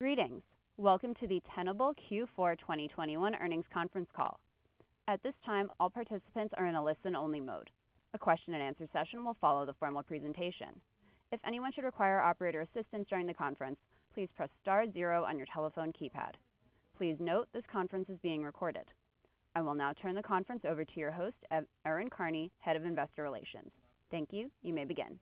Greetings. Welcome to the Tenable Q4 2021 earnings conference call. At this time, all participants are in a listen-only mode. A question-and-answer session will follow the formal presentation. If anyone should require operator assistance during the conference, please press star zero on your telephone keypad. Please note this conference is being recorded. I will now turn the conference over to your host, Erin Karney, Head of Investor Relations. Thank you. You may begin.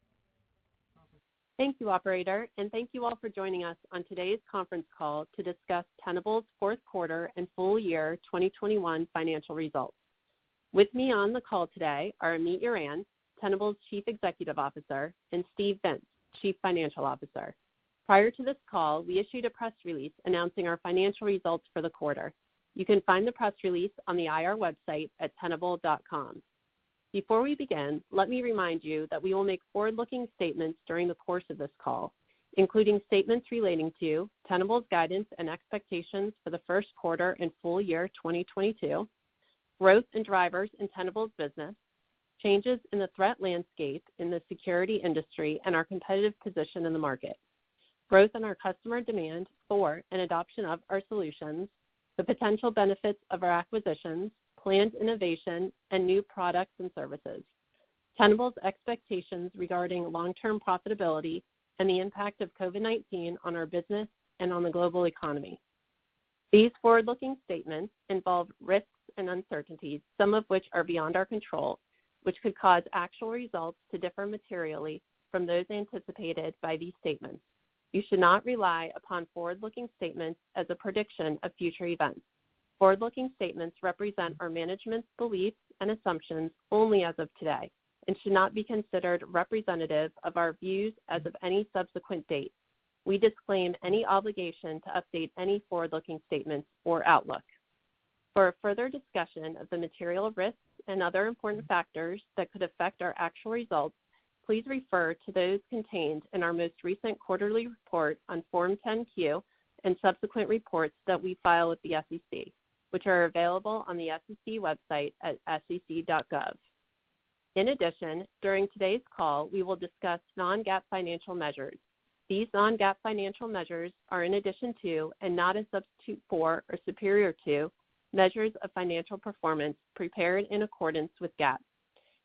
Thank you, operator, and thank you all for joining us on today's conference call to discuss Tenable's fourth quarter and full year 2021 financial results. With me on the call today are Amit Yoran, Tenable's Chief Executive Officer, and Amit Yoran, Chief Financial Officer. Prior to this call, we issued a press release announcing our financial results for the quarter. You can find the press release on the IR website at tenable.com. Before we begin, let me remind you that we will make forward-looking statements during the course of this call, including statements relating to Tenable's guidance and expectations for the first quarter and full year 2022, growth and drivers in Tenable's business, changes in the threat landscape in the security industry and our competitive position in the market, growth in our customer demand for and adoption of our solutions, the potential benefits of our acquisitions, planned innovation, and new products and services, Tenable's expectations regarding long-term profitability, and the impact of COVID-19 on our business and on the global economy. These forward-looking statements involve risks and uncertainties, some of which are beyond our control, which could cause actual results to differ materially from those anticipated by these statements. You should not rely upon forward-looking statements as a prediction of future events. Forward-looking statements represent our management's beliefs and assumptions only as of today and should not be considered representative of our views as of any subsequent date. We disclaim any obligation to update any forward-looking statements or outlook. For a further discussion of the material risks and other important factors that could affect our actual results, please refer to those contained in our most recent quarterly report on Form 10-Q and subsequent reports that we file with the SEC, which are available on the SEC website at sec.gov. In addition, during today's call, we will discuss non-GAAP financial measures. These non-GAAP financial measures are in addition to, and not a substitute for or superior to, measures of financial performance prepared in accordance with GAAP.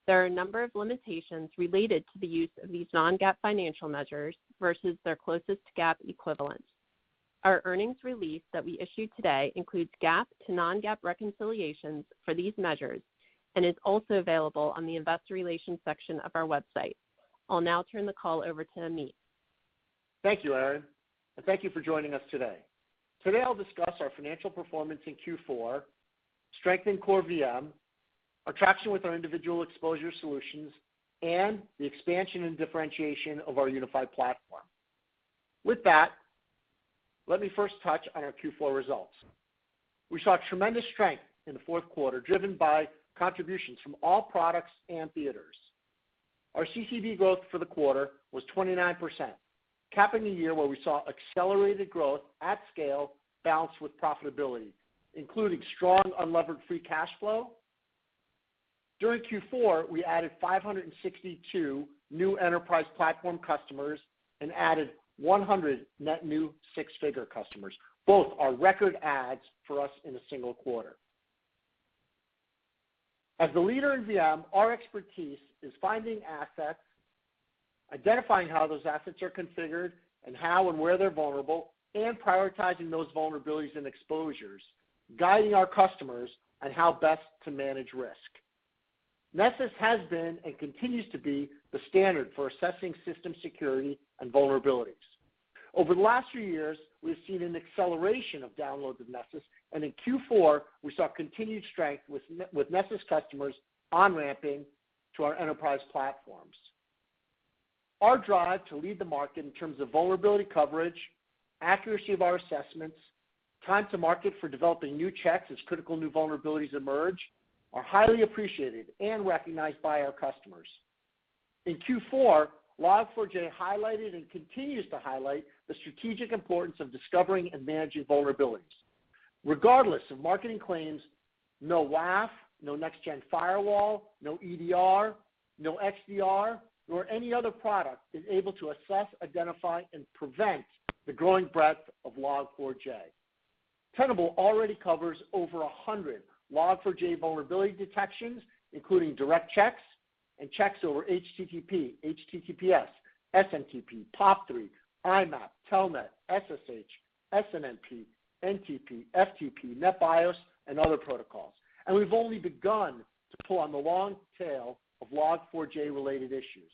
There are a number of limitations related to the use of these non-GAAP financial measures versus their closest GAAP equivalent. Our earnings release that we issued today includes GAAP to non-GAAP reconciliations for these measures and is also available on the investor relations section of our website. I'll now turn the call over to Amit. Thank you, Erin, and thank you for joining us today. Today, I'll discuss our financial performance in Q4, strength in core VM, our traction with our individual exposure solutions, and the expansion and differentiation of our unified platform. With that, let me first touch on our Q4 results. We saw tremendous strength in the fourth quarter, driven by contributions from all products and theaters. Our CCB growth for the quarter was 29%, capping the year where we saw accelerated growth at scale balanced with profitability, including strong unlevered free cash flow. During Q4, we added 562 new enterprise platform customers and added 100 net new six-figure customers. Both are record adds for us in a single quarter. As the leader in VM, our expertise is finding assets, identifying how those assets are configured, and how and where they're vulnerable, and prioritizing those vulnerabilities and exposures, guiding our customers on how best to manage risk. Nessus has been and continues to be the standard for assessing system security and vulnerabilities. Over the last few years, we've seen an acceleration of downloads of Nessus, and in Q4, we saw continued strength with Nessus customers on-ramping to our enterprise platforms. Our drive to lead the market in terms of vulnerability coverage, accuracy of our assessments, time to market for developing new checks as critical new vulnerabilities emerge are highly appreciated and recognized by our customers. In Q4, Log4j highlighted and continues to highlight the strategic importance of discovering and managing vulnerabilities. Regardless of marketing claims, no WAF, no next gen firewall, no EDR, no XDR, nor any other product is able to assess, identify, and prevent the growing breadth of Log4j. Tenable already covers over 100 Log4j vulnerability detections, including direct checks and checks over HTTP, HTTPS, SMTP, POP3, IMAP, Telnet, SSH, SNMP, NTP, FTP, NetBIOS, and other protocols. We've only begun to pull on the long tail of Log4j-related issues.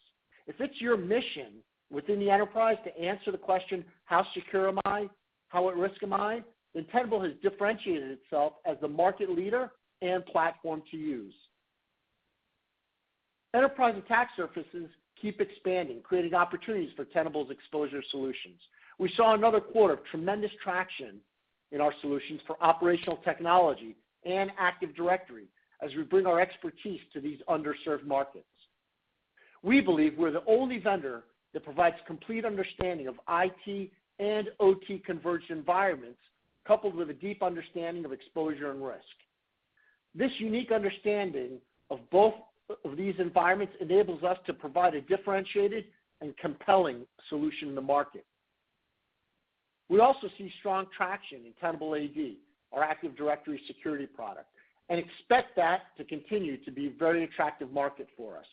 If it's your mission within the enterprise to answer the question, how secure am I? How at risk am I? Then Tenable has differentiated itself as the market leader and platform to use. Enterprise attack surfaces keep expanding, creating opportunities for Tenable's exposure solutions. We saw another quarter of tremendous traction in our solutions for operational technology and Active Directory as we bring our expertise to these underserved markets. We believe we're the only vendor that provides complete understanding of IT and OT converged environments, coupled with a deep understanding of exposure and risk. This unique understanding of both of these environments enables us to provide a differentiated and compelling solution in the market. We also see strong traction in Tenable AD, our Active Directory security product, and expect that to continue to be a very attractive market for us.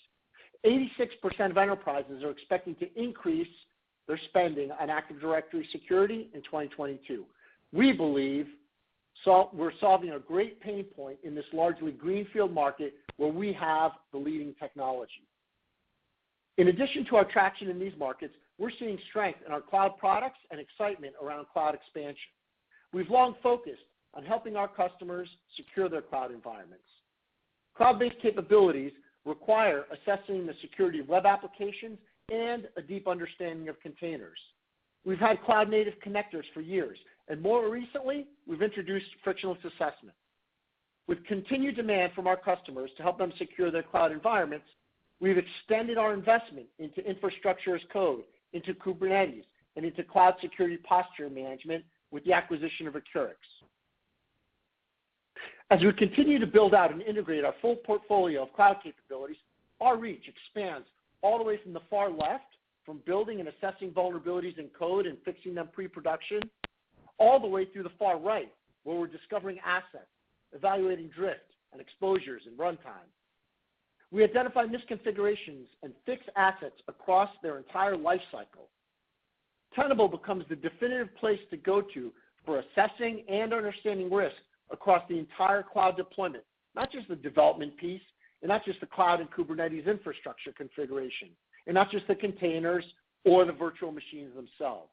86% of enterprises are expecting to increase their spending on Active Directory security in 2022. We believe we're solving a great pain point in this largely greenfield market where we have the leading technology. In addition to our traction in these markets, we're seeing strength in our cloud products and excitement around cloud expansion. We've long focused on helping our customers secure their cloud environments. Cloud-based capabilities require assessing the security of web applications and a deep understanding of containers. We've had cloud-native connectors for years, and more recently, we've introduced frictionless assessment. With continued demand from our customers to help them secure their cloud environments, we've extended our investment into infrastructure as code, into Kubernetes, and into cloud security posture management with the acquisition of Accurics. As we continue to build out and integrate our full portfolio of cloud capabilities, our reach expands all the way from the far left, from building and assessing vulnerabilities in code and fixing them pre-production, all the way through the far right, where we're discovering assets, evaluating drift and exposures in runtime. We identify misconfigurations and fix assets across their entire life cycle. Tenable becomes the definitive place to go to for assessing and understanding risk across the entire cloud deployment, not just the development piece, and not just the cloud and Kubernetes infrastructure configuration, and not just the containers or the virtual machines themselves.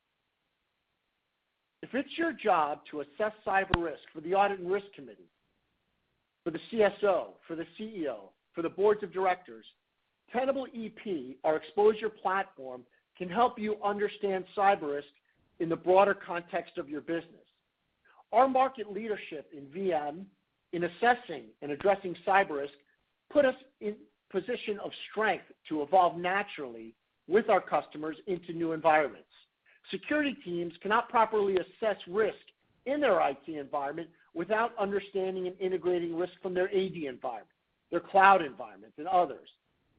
If it's your job to assess cyber risk for the audit and risk committee, for the CSO, for the CEO, for the boards of directors, Tenable.ep, our Exposure Platform, can help you understand cyber risk in the broader context of your business. Our market leadership in VM in assessing and addressing cyber risk put us in position of strength to evolve naturally with our customers into new environments. Security teams cannot properly assess risk in their IT environment without understanding and integrating risk from their AD environment, their cloud environments, and others.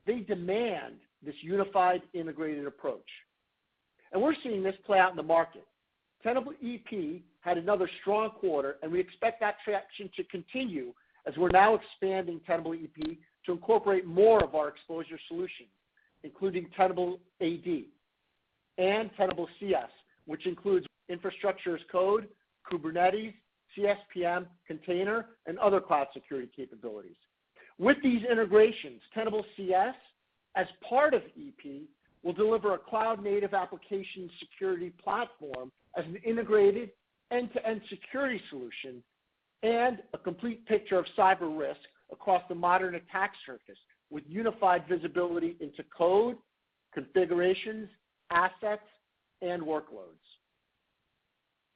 They demand this unified, integrated approach, and we're seeing this play out in the market. Tenable.ep had another strong quarter, and we expect that traction to continue as we're now expanding Tenable.ep to incorporate more of our exposure solutions, including Tenable.ad and Tenable.cs, which includes infrastructure as code, Kubernetes, CSPM, container, and other cloud security capabilities. With these integrations, Tenable.cs, as part of EP, will deliver a cloud-native application security platform as an integrated end-to-end security solution and a complete picture of cyber risk across the modern attack surface with unified visibility into code, configurations, assets, and workloads.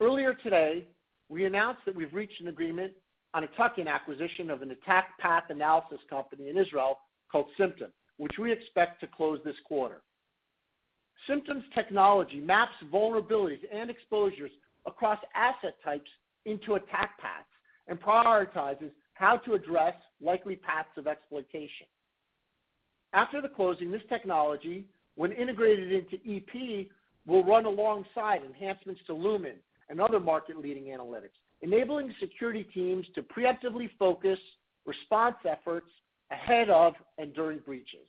Earlier today, we announced that we've reached an agreement on a tuck-in acquisition of an attack path analysis company in Israel called Cymptom, which we expect to close this quarter. Cymptom's technology maps vulnerabilities and exposures across asset types into attack paths and prioritizes how to address likely paths of exploitation. After the closing, this technology, when integrated into EP, will run alongside enhancements to Lumin and other market-leading analytics, enabling security teams to preemptively focus response efforts ahead of and during breaches.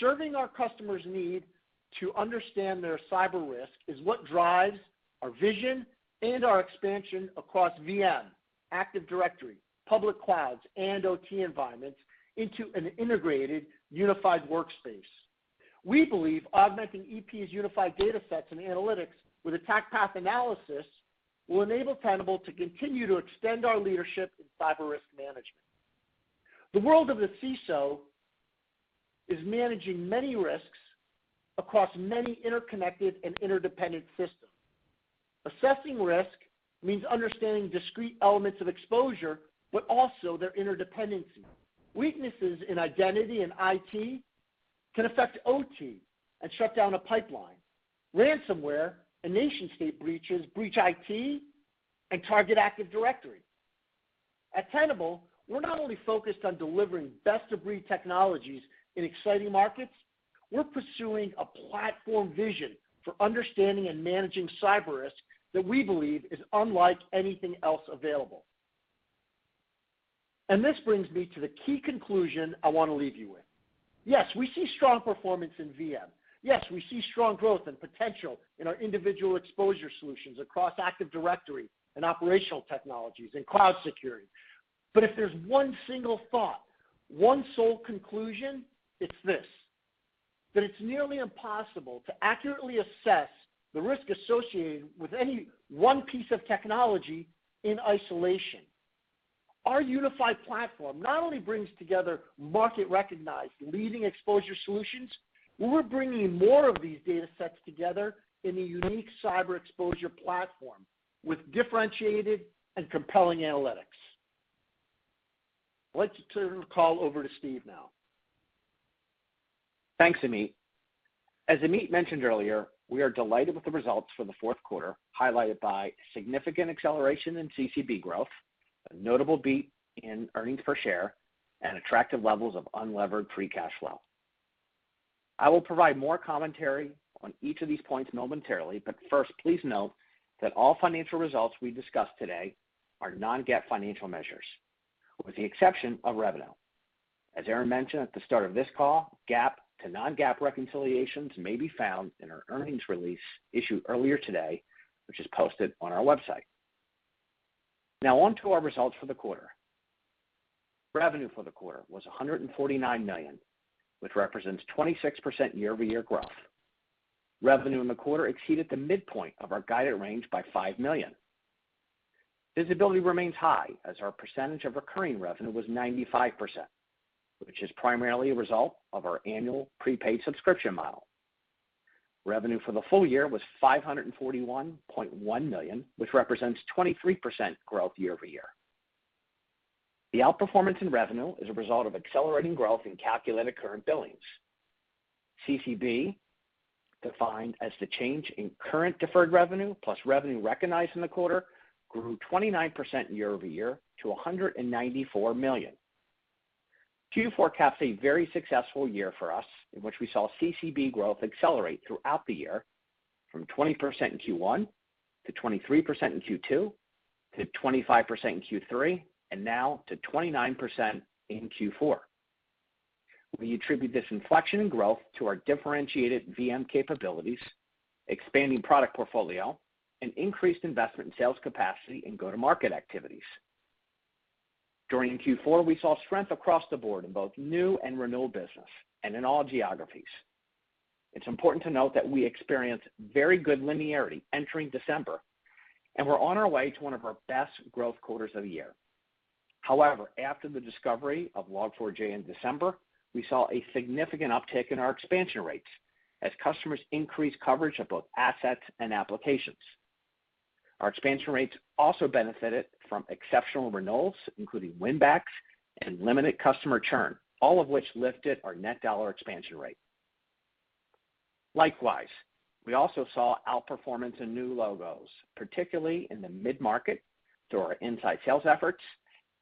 Serving our customers' need to understand their cyber risk is what drives our vision and our expansion across VM, Active Directory, public clouds, and OT environments into an integrated, unified workspace. We believe augmenting EP's unified datasets and analytics with attack path analysis will enable Tenable to continue to extend our leadership in cyber risk management. The world of the CISO is managing many risks across many interconnected and interdependent systems. Assessing risk means understanding discrete elements of exposure, but also their interdependency. Weaknesses in identity and IT can affect OT and shut down a pipeline. Ransomware and nation-state breaches breach IT and target Active Directory. At Tenable, we're not only focused on delivering best-of-breed technologies in exciting markets, we're pursuing a platform vision for understanding and managing cyber risk that we believe is unlike anything else available. This brings me to the key conclusion I want to leave you with. Yes, we see strong performance in VM. Yes, we see strong growth and potential in our individual exposure solutions across Active Directory and operational technologies and cloud security. If there's one single thought, one sole conclusion, it's this. That it's nearly impossible to accurately assess the risk associated with any one piece of technology in isolation. Our unified platform not only brings together market-recognized leading exposure solutions, but we're bringing more of these datasets together in a unique cyber exposure platform with differentiated and compelling analytics. I'd like to turn the call over to Steve now. Thanks, Amit. As Amit mentioned earlier, we are delighted with the results for the fourth quarter, highlighted by significant acceleration in CCB growth, a notable beat in earnings per share, and attractive levels of unlevered free cash flow. I will provide more commentary on each of these points momentarily, but first, please note that all financial results we discuss today are non-GAAP financial measures, with the exception of revenue. As Erin mentioned at the start of this call, GAAP to non-GAAP reconciliations may be found in our earnings release issued earlier today, which is posted on our website. Now on to our results for the quarter. Revenue for the quarter was 149 million, which represents 26% year-over-year growth. Revenue in the quarter exceeded the midpoint of our guided range by five million. Visibility remains high as our percentage of recurring revenue was 95%, which is primarily a result of our annual prepaid subscription model. Revenue for the full year was 541.1 million, which represents 23% growth year-over-year. The outperformance in revenue is a result of accelerating growth in calculated current billings. CCB, defined as the change in current deferred revenue plus revenue recognized in the quarter, grew 29% year-over-year to 194 million. Q4 caps a very successful year for us in which we saw CCB growth accelerate throughout the year from 20% in Q1 to 23% in Q2 to 25% in Q3, and now to 29% in Q4. We attribute this inflection in growth to our differentiated VM capabilities, expanding product portfolio, and increased investment in sales capacity and go-to-market activities. During Q4, we saw strength across the board in both new and renewal business and in all geographies. It's important to note that we experienced very good linearity entering December, and were on our way to one of our best growth quarters of the year. However, after the discovery of Log4j in December, we saw a significant uptick in our expansion rates as customers increased coverage of both assets and applications. Our expansion rates also benefited from exceptional renewals, including win-backs and limited customer churn, all of which lifted our net dollar expansion rate. Likewise, we also saw outperformance in new logos, particularly in the mid-market through our inside sales efforts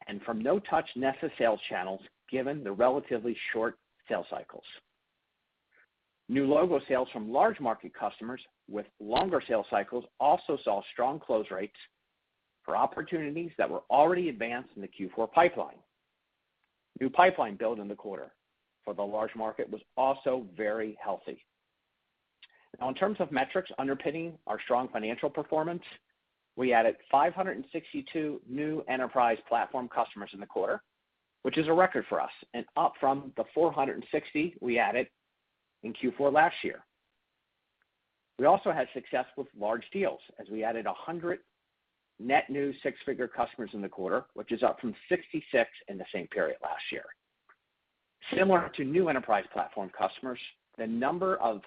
and from no-touch Nessus sales channels, given the relatively short sales cycles. New logo sales from large market customers with longer sales cycles also saw strong close rates for opportunities that were already advanced in the Q4 pipeline. New pipeline build in the quarter for the large market was also very healthy. Now in terms of metrics underpinning our strong financial performance, we added 562 new enterprise platform customers in the quarter, which is a record for us and up from the 460 we added in Q4 last year. We also had success with large deals as we added 100 net new six-figure customers in the quarter, which is up from 66 in the same period last year. Similar to new enterprise platform customers, the number of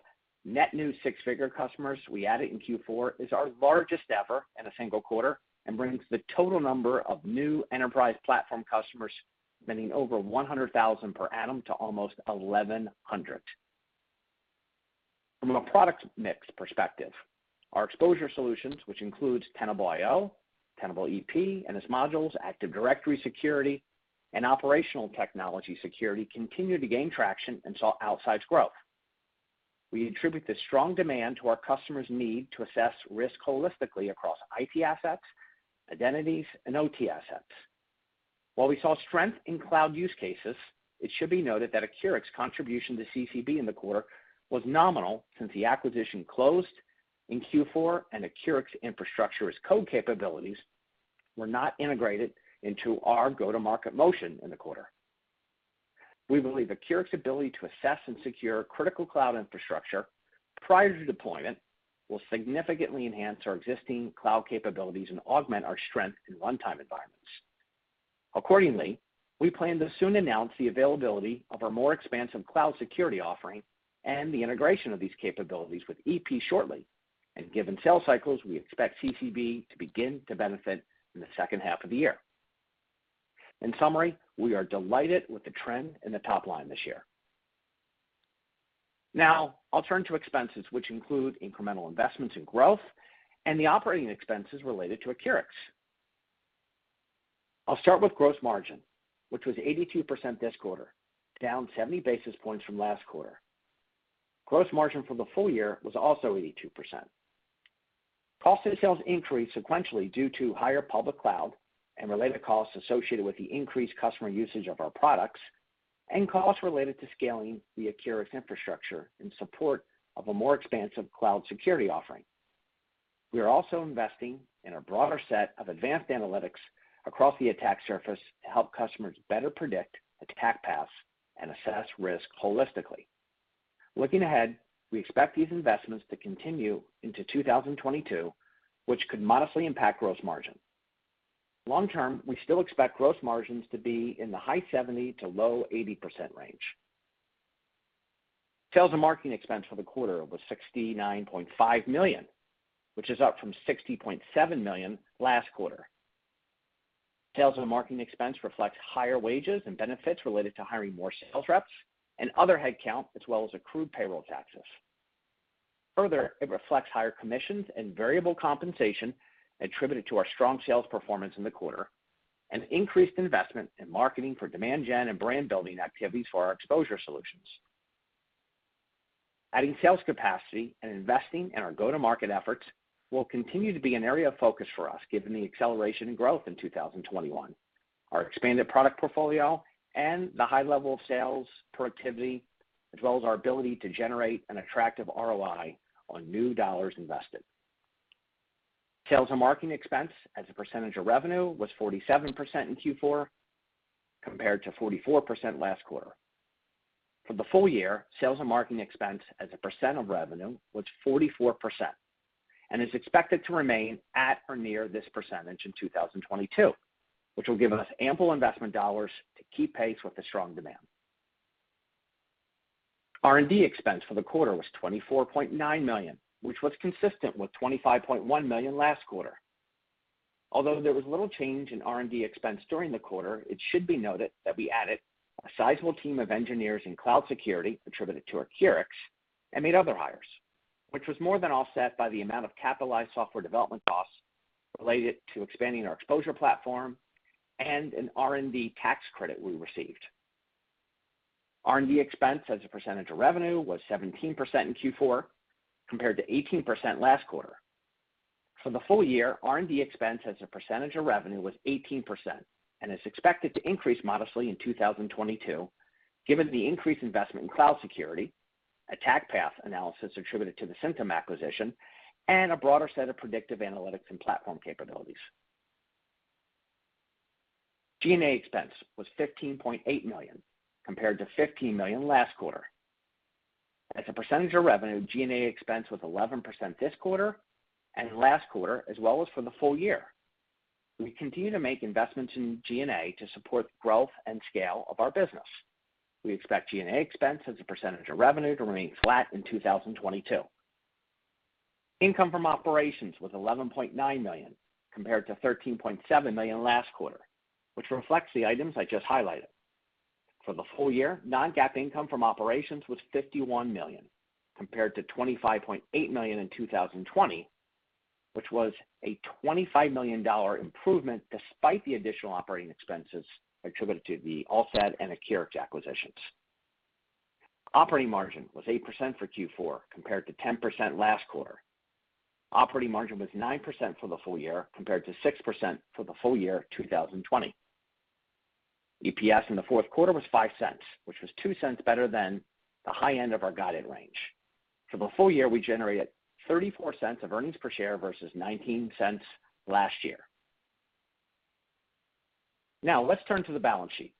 net new six-figure customers we added in Q4 is our largest ever in a single quarter and brings the total number of new enterprise platform customers spending over 100,000 per annum to almost 1,100. From a product mix perspective, our exposure solutions, which includes Tenable.io, Tenable.ep, and its modules, Active Directory Security and Operational Technology Security, continue to gain traction and saw outsized growth. We attribute the strong demand to our customers' need to assess risk holistically across IT assets, identities, and OT assets. While we saw strength in cloud use cases, it should be noted that Accurics's contribution to CCB in the quarter was nominal since the acquisition closed in Q4 and Accurics infrastructure as code capabilities were not integrated into our go-to-market motion in the quarter. We believe Accurics's ability to assess and secure critical cloud infrastructure prior to deployment will significantly enhance our existing cloud capabilities and augment our strength in runtime environments. Accordingly, we plan to soon announce the availability of our more expansive cloud security offering and the integration of these capabilities with EP shortly. Given sales cycles, we expect CCB to begin to benefit in the second half of the year. In summary, we are delighted with the trend in the top line this year. Now I'll turn to expenses, which include incremental investments in growth and the operating expenses related to Accurics. I'll start with gross margin, which was 82% this quarter, down 70 basis points from last quarter. Gross margin for the full year was also 82%. Cost of sales increased sequentially due to higher public cloud and related costs associated with the increased customer usage of our products and costs related to scaling the Accurics infrastructure in support of a more expansive cloud security offering. We are also investing in a broader set of advanced analytics across the attack surface to help customers better predict attack paths and assess risk holistically. Looking ahead, we expect these investments to continue into 2022, which could modestly impact gross margin. Long term, we still expect gross margins to be in the high 70%-low 80% range. Sales and marketing expense for the quarter was 69.5 million, which is up from 60.7 million last quarter. Sales and marketing expense reflects higher wages and benefits related to hiring more sales reps and other headcount, as well as accrued payroll taxes. Further, it reflects higher commissions and variable compensation attributed to our strong sales performance in the quarter, and increased investment in marketing for demand gen and brand-building activities for our exposure solutions. Adding sales capacity and investing in our go-to-market efforts will continue to be an area of focus for us, given the acceleration in growth in 2021, our expanded product portfolio, and the high level of sales productivity, as well as our ability to generate an attractive ROI on new dollars invested. Sales and marketing expense as a percentage of revenue was 47% in Q4, compared to 44% last quarter. For the full year, sales and marketing expense as a percent of revenue was 44%, and is expected to remain at or near this percentage in 2022, which will give us ample investment dollars to keep pace with the strong demand. R&D expense for the quarter was 24.9 million, which was consistent with 25.1 million last quarter. Although there was little change in R&D expense during the quarter, it should be noted that we added a sizable team of engineers in cloud security attributed to Accurics and made other hires, which was more than offset by the amount of capitalized software development costs related to expanding our exposure platform and an R&D tax credit we received. R&D expense as a percentage of revenue was 17% in Q4, compared to 18% last quarter. For the full year, R&D expense as a percentage of revenue was 18%, and is expected to increase modestly in 2022, given the increased investment in cloud security, attack path analysis attributed to the Cymptom acquisition, and a broader set of predictive analytics and platform capabilities. G&A expense was 15.8 million, compared to 15 million last quarter. As a percentage of revenue, G&A expense was 11% this quarter and last quarter, as well as for the full year. We continue to make investments in G&A to support the growth and scale of our business. We expect G&A expense as a percentage of revenue to remain flat in 2022. Income from operations was 11.9 million, compared to 13.7 million last quarter, which reflects the items I just highlighted. For the full year, non-GAAP income from operations was 51 million, compared to 25.8 million in 2020, which was a $25 million improvement despite the additional operating expenses attributed to the Alsid and Accurics acquisitions. Operating margin was 8% for Q4, compared to 10% last quarter. Operating margin was 9% for the full year, compared to 6% for the full year 2020. EPS in the fourth quarter was 0.05, which was 0.02 better than the high end of our guided range. For the full year, we generated 0.34 of earnings per share versus 0.19 last year. Now let's turn to the balance sheet.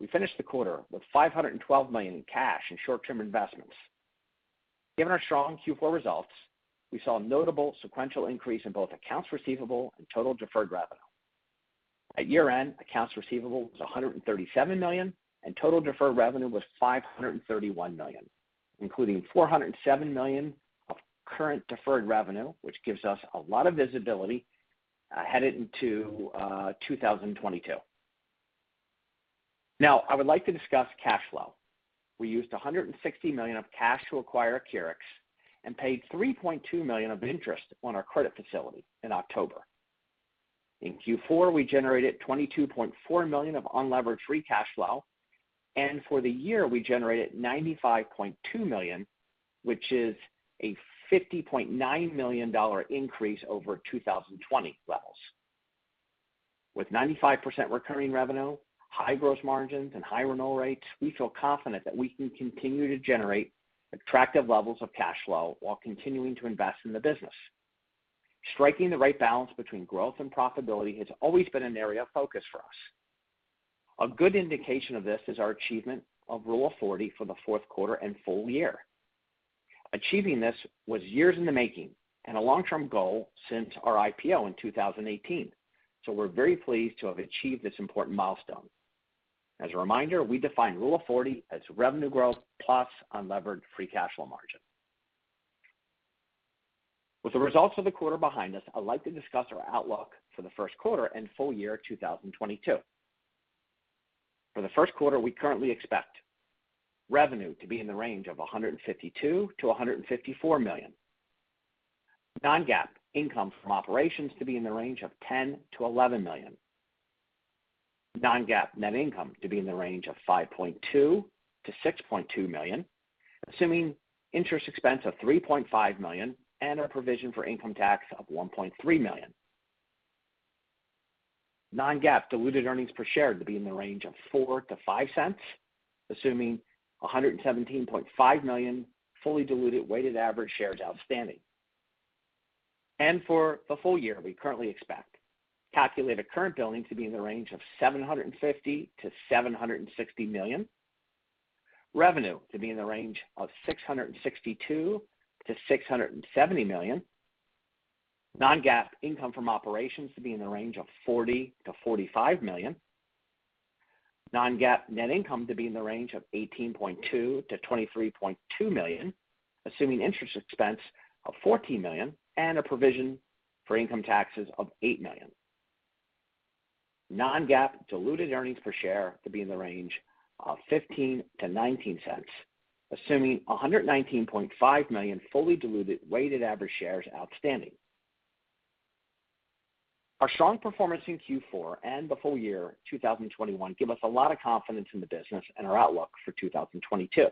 We finished the quarter with 512 million in cash and short-term investments. Given our strong Q4 results, we saw a notable sequential increase in both accounts receivable and total deferred revenue. At year-end, accounts receivable was 137 million, and total deferred revenue was 531 million, including 407 million of current deferred revenue, which gives us a lot of visibility headed into 2022. Now, I would like to discuss cash flow. We used 160 million of cash to acquire Accurics and paid 3.2 million of interest on our credit facility in October. In Q4, we generated 22.4 million of unlevered free cash flow, and for the year, we generated 95.2 million, which is a $50.9 million increase over 2020 levels. With 95% recurring revenue, high gross margins, and high renewal rates, we feel confident that we can continue to generate attractive levels of cash flow while continuing to invest in the business. Striking the right balance between growth and profitability has always been an area of focus for us. A good indication of this is our achievement of Rule of 40 for the fourth quarter and full year. Achieving this was years in the making and a long-term goal since our IPO in 2018, so we're very pleased to have achieved this important milestone. As a reminder, we define Rule of 40 as revenue growth plus unlevered free cash flow margin. With the results of the quarter behind us, I'd like to discuss our outlook for the first quarter and full year 2022. For the first quarter, we currently expect revenue to be in the range of 152 million-154 million, non-GAAP income from operations to be in the range of 10 million-11 million, non-GAAP net income to be in the range of 5.2 million-6.2 million, assuming interest expense of 3.5 million and a provision for income tax of 1.3 million. Non-GAAP diluted earnings per share to be in the range of 0.04-0.05, assuming 117.5 million fully diluted weighted average shares outstanding. For the full year, we currently expect calculated current billing to be in the range of 750-760 million, revenue to be in the range of $662-670 million, non-GAAP income from operations to be in the range of 40-45 million. Non-GAAP net income to be in the range of $18.2-23.2 million, assuming interest expense of 14 million and a provision for income taxes of eight million. Non-GAAP diluted earnings per share to be in the range of 0.15-0.19, assuming 119.5 million fully diluted weighted average shares outstanding. Our strong performance in Q4 and the full year 2021 give us a lot of confidence in the business and our outlook for 2022.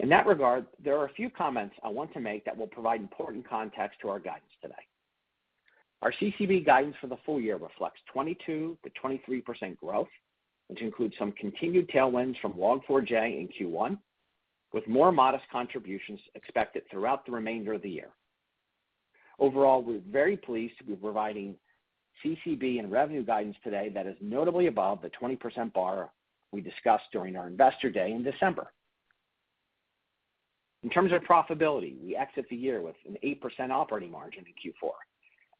In that regard, there are a few comments I want to make that will provide important context to our guidance today. Our CCB guidance for the full year reflects 22%-23% growth, which includes some continued tailwinds from Log4j in Q1, with more modest contributions expected throughout the remainder of the year. Overall, we're very pleased to be providing CCB and revenue guidance today that is notably above the 20% bar we discussed during our Investor Day in December. In terms of profitability, we exit the year with an 8% operating margin in Q4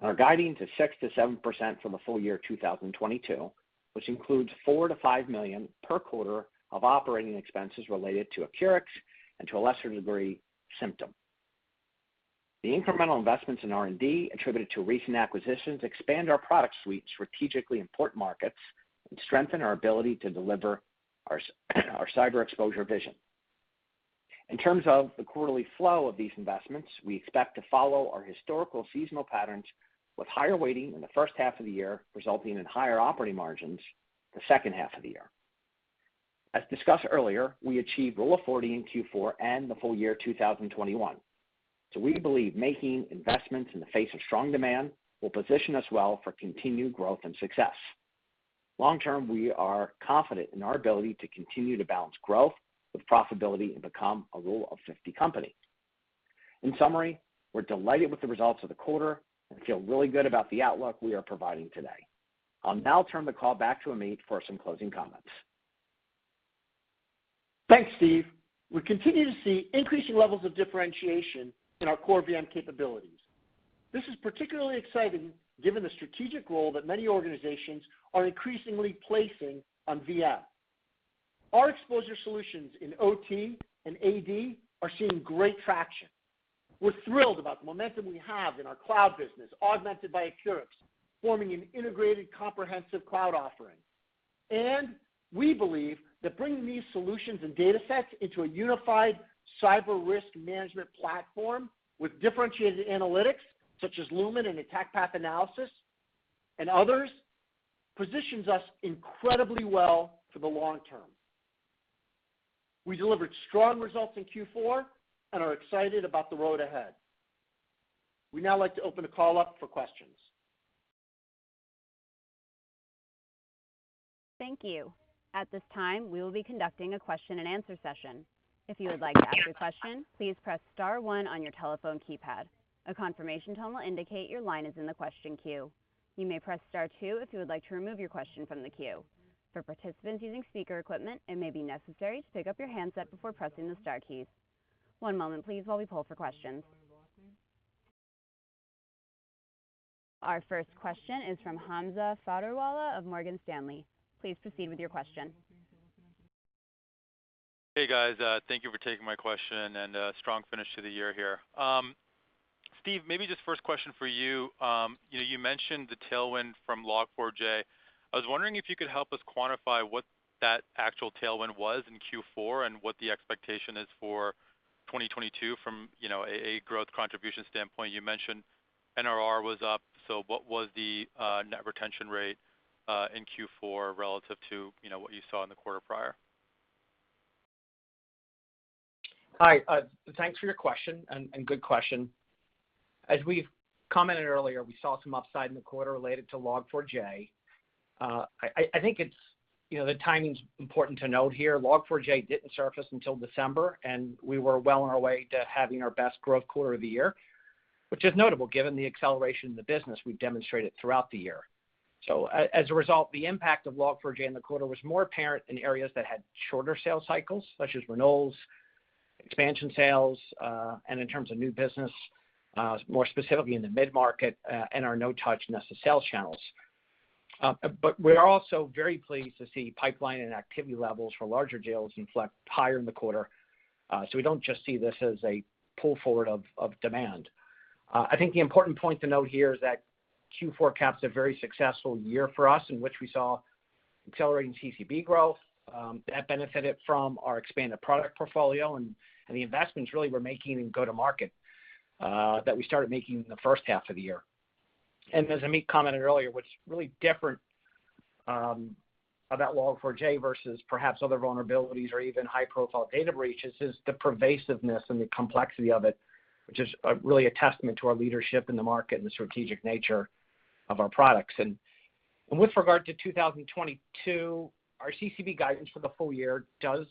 and are guiding to 6%-7% for the full year 2022, which includes four million-five million per quarter of operating expenses related to Accurics and to a lesser degree, Cymptom. The incremental investments in R&D attributed to recent acquisitions expand our product suite strategically in important markets and strengthen our ability to deliver our cyber exposure vision. In terms of the quarterly flow of these investments, we expect to follow our historical seasonal patterns with higher weighting in the first half of the year, resulting in higher operating margins the second half of the year. As discussed earlier, we achieved Rule of 40 in Q4 and the full year 2021. We believe making investments in the face of strong demand will position us well for continued growth and success. Long-term, we are confident in our ability to continue to balance growth with profitability and become a Rule of 50 company. In summary, we're delighted with the results of the quarter and feel really good about the outlook we are providing today. I'll now turn the call back to Amit for some closing comments. Thanks, Steve. We continue to see increasing levels of differentiation in our core VM capabilities. This is particularly exciting given the strategic role that many organizations are increasingly placing on VM. Our exposure solutions in OT and AD are seeing great traction. We're thrilled about the momentum we have in our cloud business, augmented by Accurics, forming an integrated, comprehensive cloud offering. We believe that bringing these solutions and data sets into a unified cyber risk management platform with differentiated analytics, such as Lumin and Attack Path Analysis and others, positions us incredibly well for the long term. We delivered strong results in Q4 and are excited about the road ahead. We'd now like to open the call up for questions. Thank you. At this time, we will be conducting a question-and-answer session. If you would like to ask a question, please press star one on your telephone keypad. A confirmation tone will indicate your line is in the question queue. You may press star two if you would like to remove your question from the queue. For participants using speaker equipment, it may be necessary to pick up your handset before pressing the star keys. One moment please while we poll for questions. Our first question is from Hamza Fodderwala of Morgan Stanley. Please proceed with your question. Hey, guys. Thank you for taking my question, and strong finish to the year here. Steve, maybe just first question for you. You know, you mentioned the tailwind from Log4j. I was wondering if you could help us quantify what that actual tailwind was in Q4 and what the expectation is for 2022 from, you know, a growth contribution standpoint. You mentioned NRR was up. So what was the net retention rate in Q4 relative to, you know, what you saw in the quarter prior? Hi. Thanks for your question and good question. As we've commented earlier, we saw some upside in the quarter related to Log4j. I think it's, you know, the timing's important to note here. Log4j didn't surface until December, and we were well on our way to having our best growth quarter of the year, which is notable given the acceleration of the business we've demonstrated throughout the year. As a result, the impact of Log4j in the quarter was more apparent in areas that had shorter sales cycles, such as renewals, expansion sales, and in terms of new business, more specifically in the mid-market, and our no-touch Nessus sales channels. We are also very pleased to see pipeline and activity levels for larger deals inflect higher in the quarter, so we don't just see this as a pull forward of demand. I think the important point to note here is that Q4 caps a very successful year for us in which we saw accelerating CCB growth, that benefited from our expanded product portfolio and the investments really we're making in go-to-market, that we started making in the first half of the year. As Amit commented earlier, what's really different about Log4j versus perhaps other vulnerabilities or even high-profile data breaches is the pervasiveness and the complexity of it, which is really a testament to our leadership in the market and the strategic nature of our products. With regard to 2022, our CCB guidance for the full year does,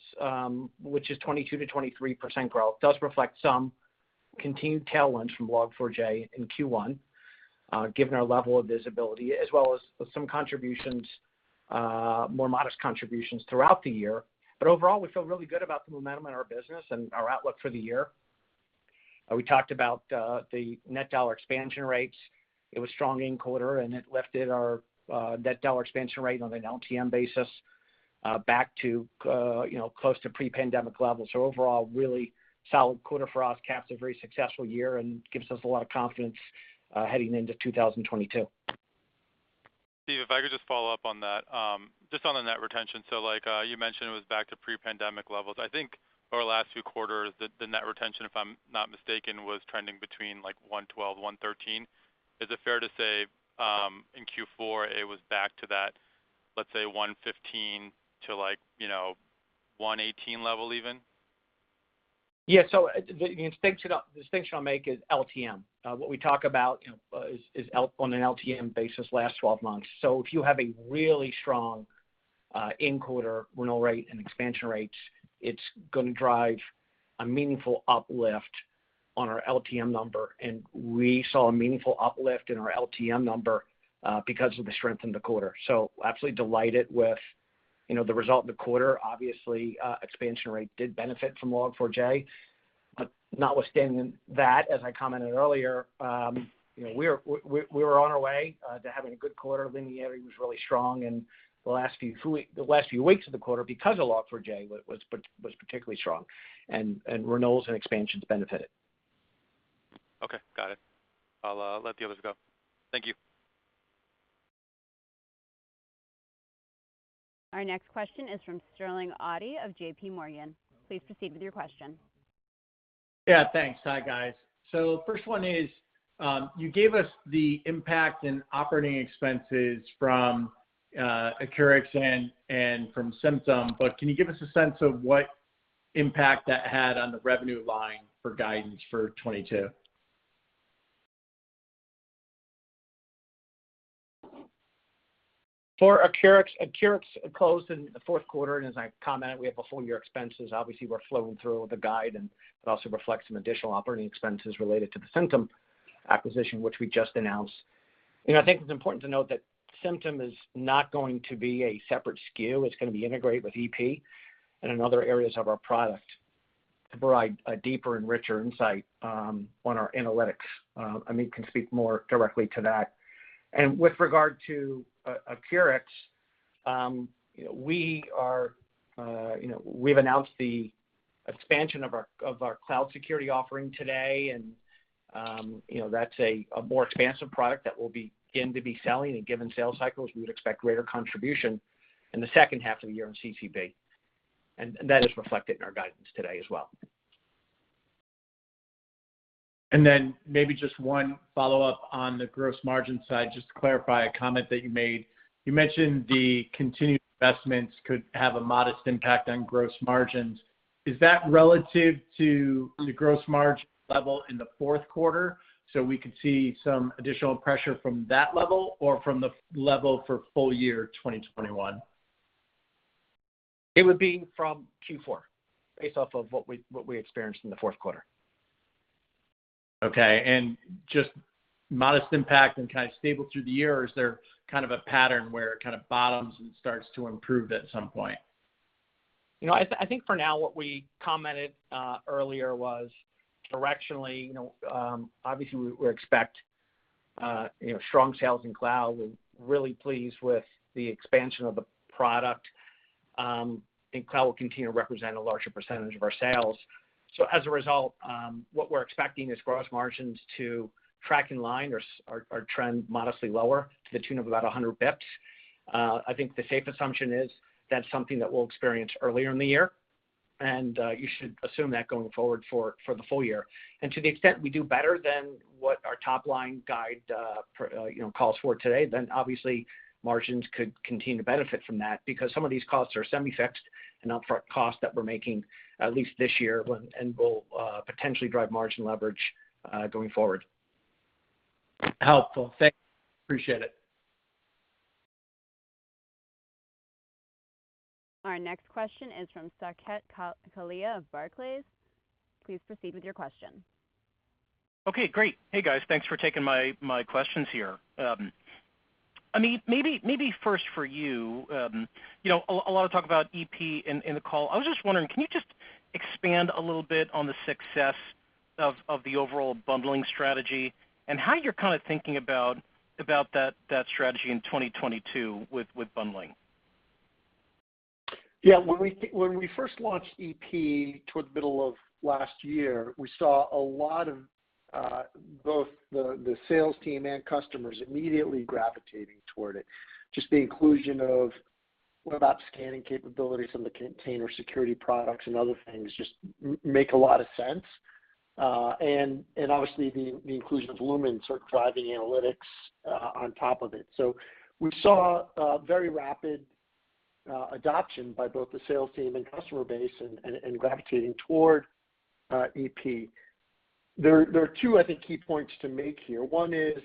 which is 22%-23% growth, does reflect some continued tailwinds from Log4j in Q1, given our level of visibility, as well as some contributions, more modest contributions throughout the year. Overall, we feel really good about the momentum in our business and our outlook for the year. We talked about the net dollar expansion rates. It was strong in quarter, and it lifted our net dollar expansion rate on an LTM basis back to you know, close to pre-pandemic levels. Overall, really solid quarter for us, caps a very successful year and gives us a lot of confidence heading into 2022. Steve, if I could just follow up on that. Just on the net retention. Like, you mentioned it was back to pre-pandemic levels. I think over the last few quarters the net retention, if I'm not mistaken, was trending between like 112, 113. Is it fair to say, in Q4 it was back to that, let's say, 115-118 level even? Yeah. The distinction I'll make is LTM. What we talk about, you know, is on an LTM basis, last twelve months. If you have a really strong in-quarter renewal rate and expansion rates, it's gonna drive a meaningful uplift on our LTM number. We saw a meaningful uplift in our LTM number because of the strength in the quarter. Absolutely delighted with, you know, the result of the quarter. Obviously, expansion rate did benefit from Log4j. Notwithstanding that, as I commented earlier, you know, we were on our way to having a good quarter. Linearity was really strong in the last few weeks of the quarter because of Log4j was particularly strong, and renewals and expansions benefited. Okay. Got it. I'll let the others go. Thank you. Our next question is from Sterling Auty of J.P. Morgan. Please proceed with your question. Yeah. Thanks. Hi, guys. First one is, you gave us the impact in operating expenses from Accurics and from Cymptom, but can you give us a sense of what impact that had on the revenue line for guidance for 2022? For Accurics closed in the fourth quarter. As I commented, we have a full year expenses. Obviously, we're flowing through the guide, and it also reflects some additional operating expenses related to the Cymptom acquisition, which we just announced. You know, I think it's important to note that Cymptom is not going to be a separate SKU. It's gonna be integrated with EP and in other areas of our product to provide a deeper and richer insight on our analytics. Amit can speak more directly to that. With regard to Accurics, you know, we've announced the expansion of our cloud security offering today. You know, that's a more expansive product that we'll begin to be selling. In given sales cycles, we would expect greater contribution in the second half of the year on CCB. That is reflected in our guidance today as well. Maybe just one follow-up on the gross margin side, just to clarify a comment that you made. You mentioned the continued investments could have a modest impact on gross margins. Is that relative to the gross margin level in the fourth quarter, so we could see some additional pressure from that level, or from the level for full year 2021? It would be from Q4, based off of what we experienced in the fourth quarter. Okay. Just modest impact and kind of stable through the year? Is there kind of a pattern where it kind of bottoms and starts to improve at some point? You know, I think for now what we commented earlier was directionally, you know, obviously we expect you know strong sales in cloud. We're really pleased with the expansion of the product, and cloud will continue to represent a larger percentage of our sales. So as a result, what we're expecting is gross margins to track in line or trend modestly lower to the tune of about 100 basis points. I think the safe assumption is that's something that we'll experience earlier in the year, and you should assume that going forward for the full year. To the extent we do better than what our top-line guide for, you know, calls for today, then obviously margins could continue to benefit from that because some of these costs are semi-fixed and upfront costs that we're making at least this year and will potentially drive margin leverage going forward. Helpful. Thanks. Appreciate it. Our next question is from Saket Kalia of Barclays. Please proceed with your question. Okay. Great. Hey, guys. Thanks for taking my questions here. Amit, maybe first for you. You know, a lot of talk about EP in the call. I was just wondering, can you just expand a little bit on the success of the overall bundling strategy and how you're kind of thinking about that strategy in 2022 with bundling? Yeah. When we first launched EP toward the middle of last year, we saw a lot of both the sales team and customers immediately gravitating toward it. Just the inclusion of web app scanning capabilities on the container security products and other things just make a lot of sense. And obviously the inclusion of Lumin started driving analytics on top of it. We saw a very rapid adoption by both the sales team and customer base in gravitating toward EP. There are two, I think, key points to make here. One is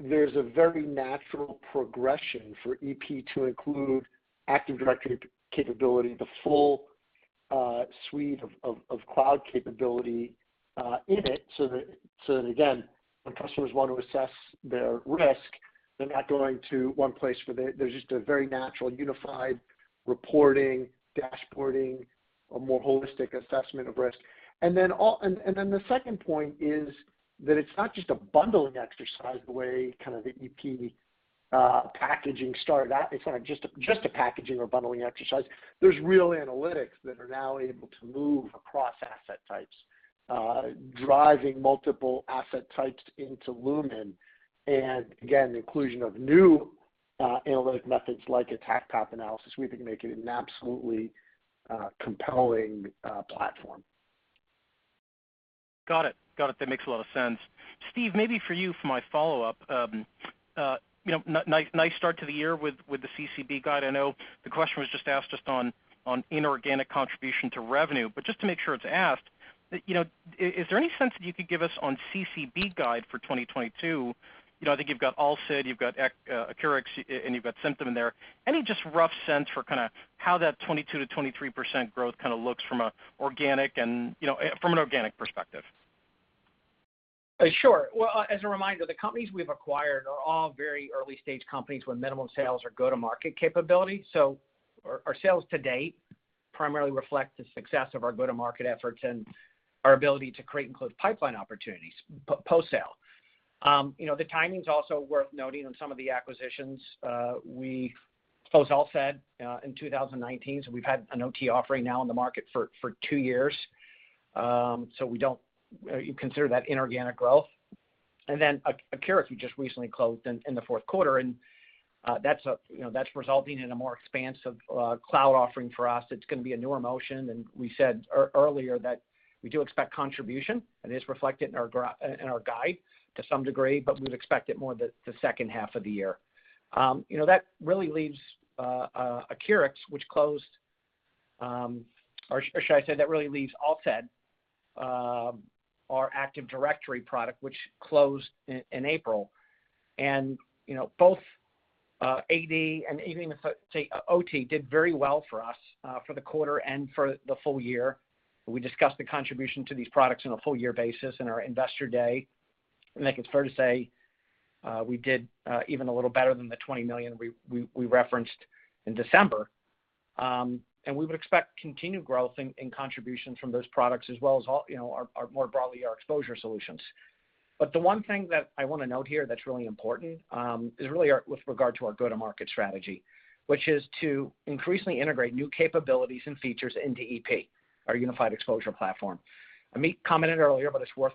there's a very natural progression for EP to include Active Directory capability, the full suite of cloud capability in it, so that again, when customers want to assess their risk, they're not going to one place for that. There's just a very natural unified reporting, dashboarding, a more holistic assessment of risk. Then the second point is that it's not just a bundling exercise the way kind of the EP packaging started out. It's not just a packaging or bundling exercise. There's real analytics that are now able to move across asset types, driving multiple asset types into Lumin. Again, the inclusion of new analytic methods like attack path analysis, we think make it an absolutely compelling platform. Got it. That makes a lot of sense. Steve, maybe for you for my follow-up. You know, nice start to the year with the CCB guide. I know the question was just asked on inorganic contribution to revenue. Just to make sure it's asked, you know, is there any sense that you could give us on CCB guide for 2022? You know, I think you've got Alsid, you've got Accurics, and you've got Cymptom in there. Any rough sense for how that 22%-23% growth looks from an organic perspective? Sure. Well, as a reminder, the companies we've acquired are all very early-stage companies with minimum sales or go-to-market capability. Our sales to date primarily reflect the success of our go-to-market efforts and our ability to create and close pipeline opportunities post-sale. You know, the timing's also worth noting on some of the acquisitions. We closed Alsid in 2019, so we've had an OT offering now in the market for two years. We don't consider that inorganic growth. Accurics we just recently closed in the fourth quarter, and that's you know resulting in a more expansive cloud offering for us. It's gonna be a newer motion, and we said earlier that we do expect contribution, and it is reflected in our guidance to some degree, but we would expect it more in the second half of the year. You know, that really leaves Accurics, which closed. Or should I say that really leaves Alsid, our Active Directory product, which closed in April. You know, both AD and even OT did very well for us for the quarter and for the full year. We discussed the contribution to these products on a full year basis in our Investor Day. I think it's fair to say we did even a little better than the 20 million we referenced in December. We would expect continued growth in contributions from those products as well as all, you know, our more broadly our exposure solutions. The one thing that I wanna note here that's really important is really with regard to our go-to-market strategy, which is to increasingly integrate new capabilities and features into EP, our unified exposure platform. Amit commented earlier. It's worth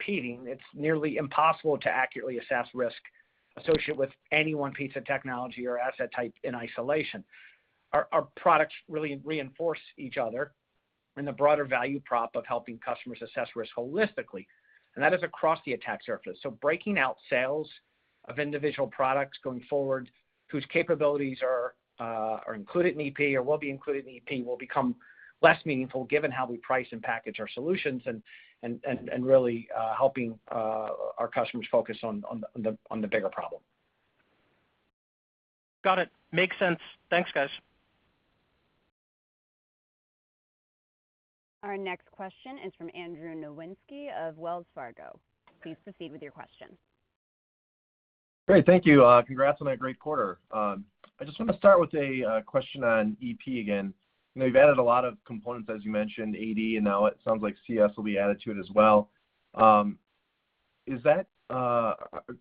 repeating. It's nearly impossible to accurately assess risk associated with any one piece of technology or asset type in isolation. Our products really reinforce each other in the broader value prop of helping customers assess risk holistically, and that is across the attack surface. Breaking out sales of individual products going forward whose capabilities are included in EP or will be included in EP will become less meaningful given how we price and package our solutions and really helping our customers focus on the bigger problem. Got it. Makes sense. Thanks, guys. Our next question is from Andrew Nowinski of Wells Fargo. Please proceed with your question. Great. Thank you. Congrats on that great quarter. I just wanna start with a question on EP again. You know, you've added a lot of components, as you mentioned, AD, and now it sounds like CS will be added to it as well. Can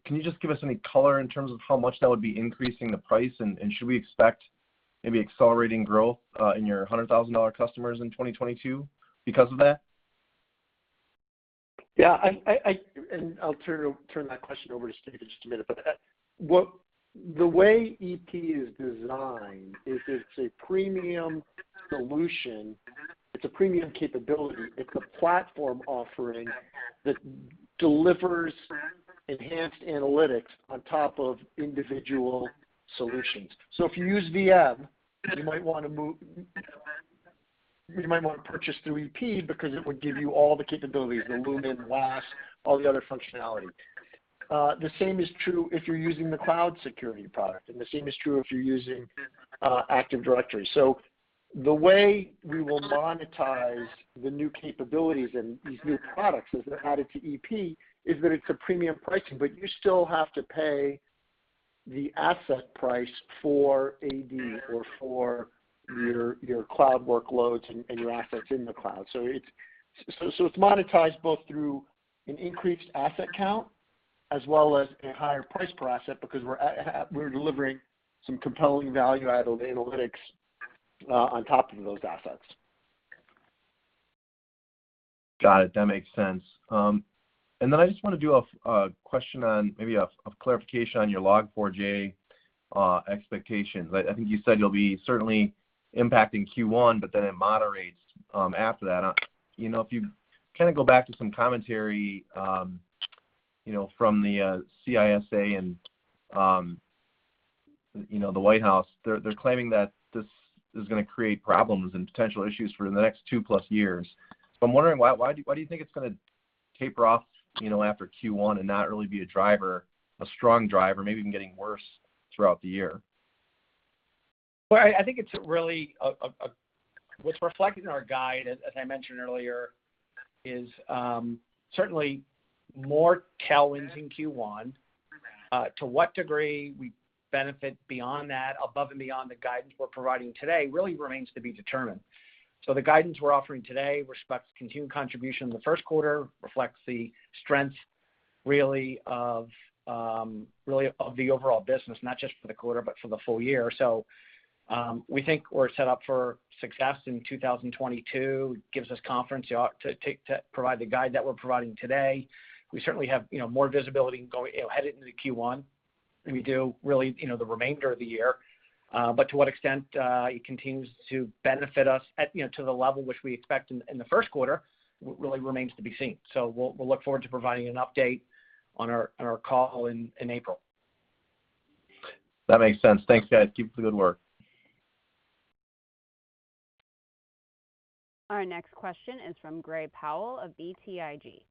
you just give us any color in terms of how much that would be increasing the price, and should we expect maybe accelerating growth in your 100,000 customers in 2022 because of that? Yeah, I'll turn that question over to Steve in just a minute. The way EP is designed is it's a premium solution. It's a premium capability. It's a platform offering that delivers enhanced analytics on top of individual solutions. If you use VM, you might wanna purchase through EP because it would give you all the capabilities, the Lumin, AD, all the other functionality. The same is true if you're using the cloud security product, and the same is true if you're using Active Directory. The way we will monetize the new capabilities and these new products as they're added to EP is that it's a premium pricing, but you still have to pay the asset price for AD or for your cloud workloads and your assets in the cloud. It's monetized both through an increased asset count as well as a higher price per asset because we're delivering some compelling value-added analytics on top of those assets. Got it. That makes sense. I just wanna do a question on maybe a clarification on your Log4j expectations. I think you said you'll be certainly impacting Q1, but then it moderates after that. You know, if you kinda go back to some commentary, you know, from the CISA and you know, the White House, they're claiming that this is gonna create problems and potential issues for the next 2+ years. I'm wondering why do you think it's gonna taper off, you know, after Q1 and not really be a driver, a strong driver, maybe even getting worse throughout the year? I think it's really what's reflected in our guide, as I mentioned earlier, is certainly more tailwinds in Q1. To what degree we benefit beyond that, above and beyond the guidance we're providing today, really remains to be determined. The guidance we're offering today respects continued contribution in the first quarter, reflects the strength really of the overall business, not just for the quarter but for the full year. We think we're set up for success in 2022. Gives us confidence to provide the guide that we're providing today. We certainly have, you know, more visibility going, you know, headed into Q1 than we do really, you know, the remainder of the year. To what extent it continues to benefit us at, you know, to the level which we expect in the first quarter really remains to be seen. We'll look forward to providing an update on our call in April. That makes sense. Thanks, guys. Keep up the good work. Our next question is from Gray Powell of BTIG.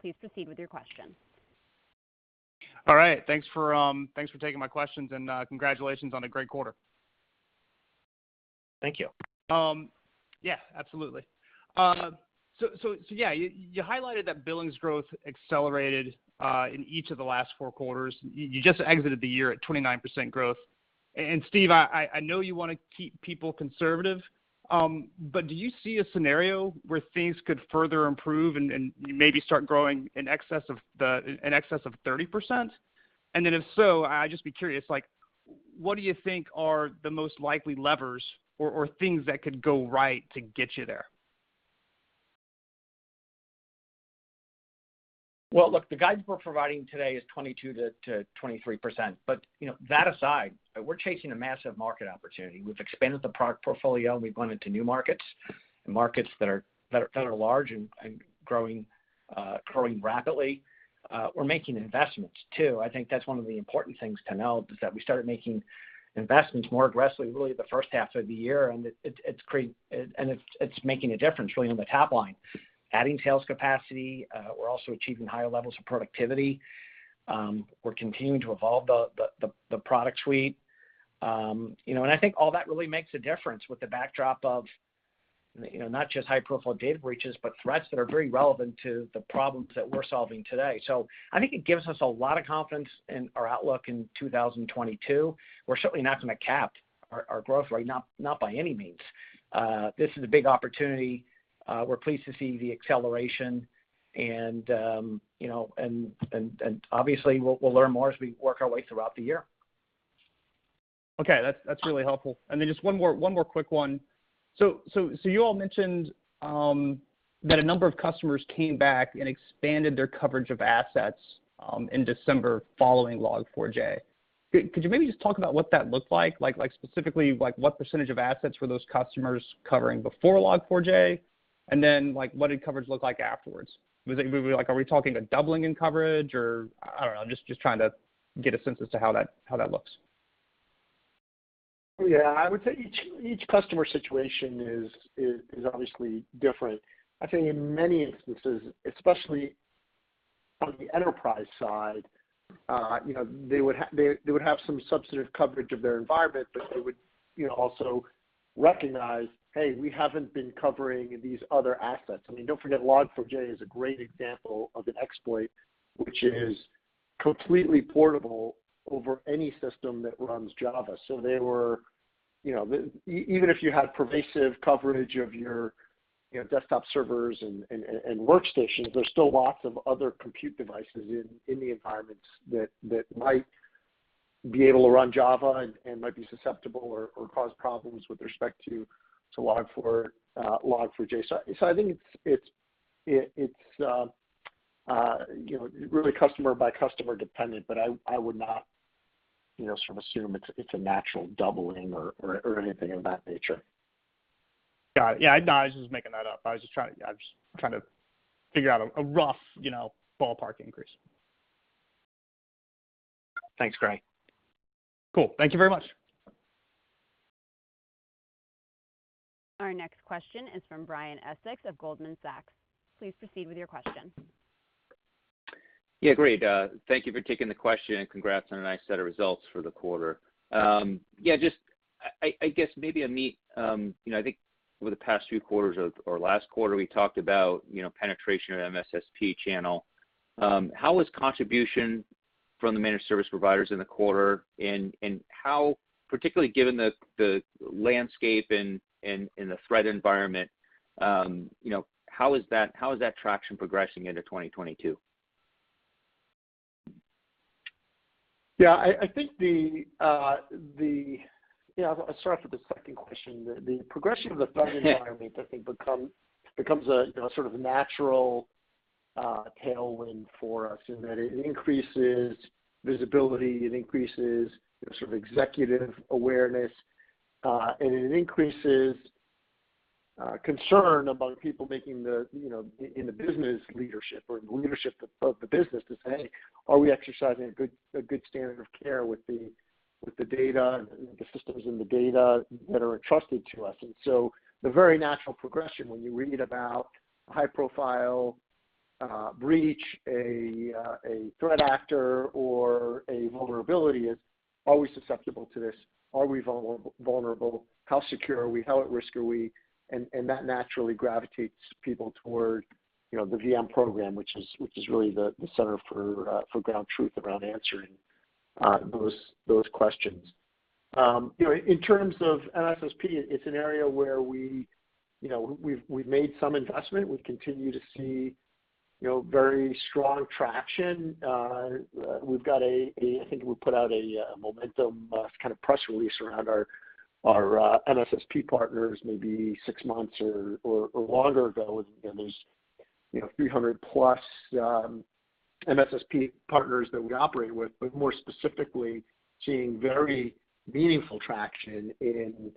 Please proceed with your question. All right. Thanks for taking my questions, and congratulations on a great quarter. Thank you. Yeah, absolutely. So yeah, you highlighted that billings growth accelerated in each of the last four quarters. You just exited the year at 29% growth. Steve, I know you wanna keep people conservative, but do you see a scenario where things could further improve and maybe start growing in excess of 30%? Then if so, I'd just be curious, like, what do you think are the most likely levers or things that could go right to get you there? Well, look, the guidance we're providing today is 22%-23%. You know, that aside, we're chasing a massive market opportunity. We've expanded the product portfolio, and we've gone into new markets, and markets that are large and growing rapidly. We're making investments too. I think that's one of the important things to note is that we started making investments more aggressively really the first half of the year, and it's making a difference really on the top line. Adding sales capacity, we're also achieving higher levels of productivity. We're continuing to evolve the product suite. I think all that really makes a difference with the backdrop of, you know, not just high-profile data breaches, but threats that are very relevant to the problems that we're solving today. I think it gives us a lot of confidence in our outlook in 2022. We're certainly not gonna cap our growth rate, not by any means. This is a big opportunity. We're pleased to see the acceleration and obviously we'll learn more as we work our way throughout the year. Okay. That's really helpful. Just one more quick one. You all mentioned that a number of customers came back and expanded their coverage of assets in December following Log4j. Could you maybe just talk about what that looked like? Like specifically, like what percentage of assets were those customers covering before Log4j, and then, like what did coverage look like afterwards? Was it maybe like, are we talking a doubling in coverage or, I don't know. Just trying to get a sense as to how that looks. Yeah. I would say each customer situation is obviously different. I think in many instances, especially on the enterprise side, you know, they would have some substantive coverage of their environment, but they would, you know, also recognize, "Hey, we haven't been covering these other assets." I mean, don't forget Log4j is a great example of an exploit which is completely portable over any system that runs Java. So they were, you know, even if you had pervasive coverage of your, you know, desktop servers and workstations, there's still lots of other compute devices in the environments that might be able to run Java and might be susceptible or cause problems with respect to Log4j. I think it's, you know, really customer by customer dependent, but I would not, you know, sort of assume it's a natural doubling or anything of that nature. Got it. Yeah. No, I was just making that up. I was just trying to figure out a rough, you know, ballpark increase. Thanks, Gray. Cool. Thank you very much. Our next question is from Brian Essex of Goldman Sachs. Please proceed with your question. Yeah, great. Thank you for taking the question, and congrats on a nice set of results for the quarter. Yeah, just I guess maybe, Amit, you know, I think over the past few quarters or last quarter, we talked about, you know, penetration of MSSP channel. How was contribution from the managed service providers in the quarter, and how, particularly given the landscape and the threat environment, you know, how is that traction progressing into 2022? I'll start off with the second question. The progression of the threat environment. I think it becomes a sort of natural tailwind for us in that it increases visibility, it increases sort of executive awareness, and it increases concern among people making, you know, in the business leadership of the business to say, "Are we exercising a good standard of care with the data and the systems and the data that are entrusted to us?" The very natural progression when you read about high-profile A breach, a threat actor or a vulnerability—is, are we susceptible to this? Are we vulnerable? How secure are we? How at risk are we? That naturally gravitates people toward, you know, the VM program, which is really the center for ground truth around answering those questions. You know, in terms of MSSP, it's an area where we, you know, we've made some investment. We continue to see, you know, very strong traction. We've got a—I think we put out a momentum kind of press release around our MSSP partners maybe six months or longer ago. There's, you know, 300+ MSSP partners that we operate with, but more specifically, seeing very meaningful traction in,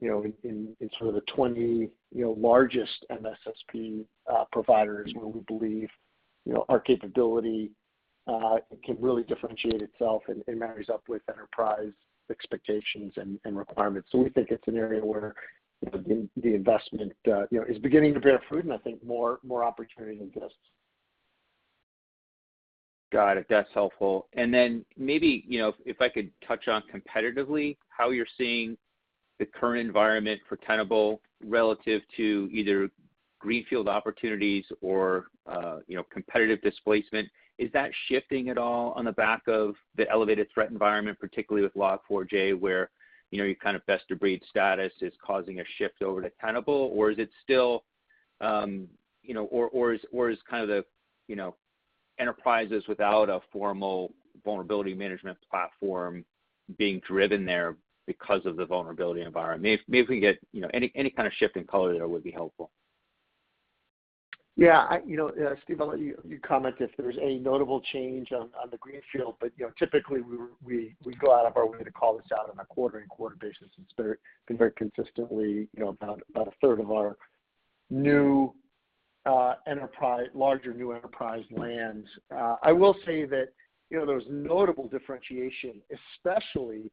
you know, in sort of the 20, you know, largest MSSP providers where we believe, you know, our capability can really differentiate itself and marries up with enterprise expectations and requirements. We think it's an area where, you know, the investment, you know, is beginning to bear fruit, and I think more opportunity exists. Got it. That's helpful. Then maybe, you know, if I could touch on competitively, how you're seeing the current environment for Tenable relative to either greenfield opportunities or, you know, competitive displacement. Is that shifting at all on the back of the elevated threat environment, particularly with Log4j, where, you know, your kind of best-of-breed status is causing a shift over to Tenable? Or is it still, you know, or is kind of the, you know, enterprises without a formal vulnerability management platform being driven there because of the vulnerability environment? Maybe if we get, you know, any kind of shift in color there would be helpful. Yeah. You know, Steve, I'll let you comment if there's any notable change on the greenfield. You know, typically we go out of our way to call this out on a quarter and quarter basis. It's been very consistently, you know, about a third of our larger new enterprise lands. I will say that, you know, there's notable differentiation, especially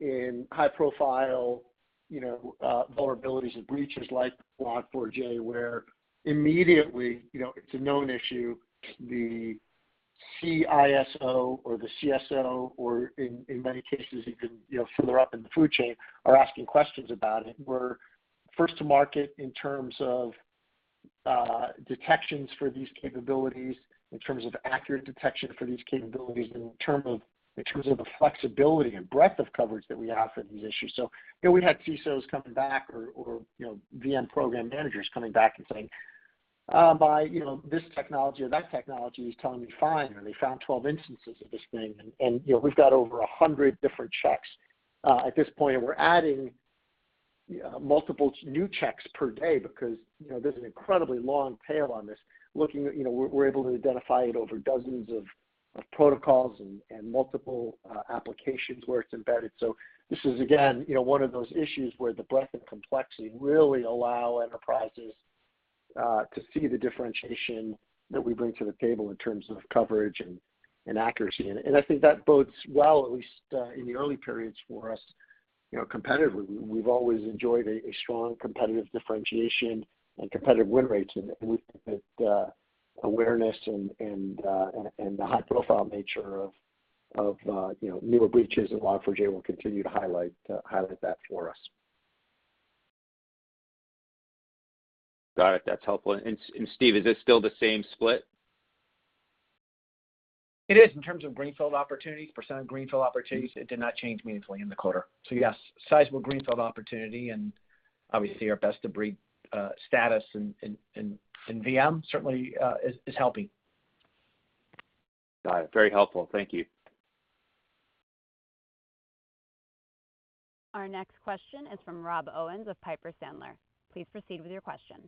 in high profile, you know, vulnerabilities and breaches like Log4j, where immediately, you know, it's a known issue. The CISO or the CSO, or in many cases even, you know, further up in the food chain, are asking questions about it. We're first to market in terms of detections for these capabilities, in terms of accurate detection for these capabilities, and in terms of the flexibility and breadth of coverage that we have for these issues. So, you know, we had CISOs coming back or you know, VM program managers coming back and saying, by you know, this technology or that technology is telling me fine, or they found 12 instances of this thing. You know, we've got over 100 different checks at this point, and we're adding multiple new checks per day because, you know, there's an incredibly long tail on this. You know, we're able to identify it over dozens of protocols and multiple applications where it's embedded. This is again, you know, one of those issues where the breadth and complexity really allow enterprises to see the differentiation that we bring to the table in terms of coverage and accuracy. I think that bodes well, at least, in the early periods for us, you know, competitively. We've always enjoyed a strong competitive differentiation and competitive win rates. We think that awareness and the high-profile nature of, you know, newer breaches of Log4j will continue to highlight that for us. Got it. That's helpful. Steve, is this still the same split? It is in terms of greenfield opportunities. Percent of greenfield opportunities, it did not change meaningfully in the quarter. Yes, sizable greenfield opportunity and obviously our best-of-breed status in VM certainly is helping. Got it. Very helpful. Thank you. Our next question is from Rob Owens of Piper Sandler. Please proceed with your question.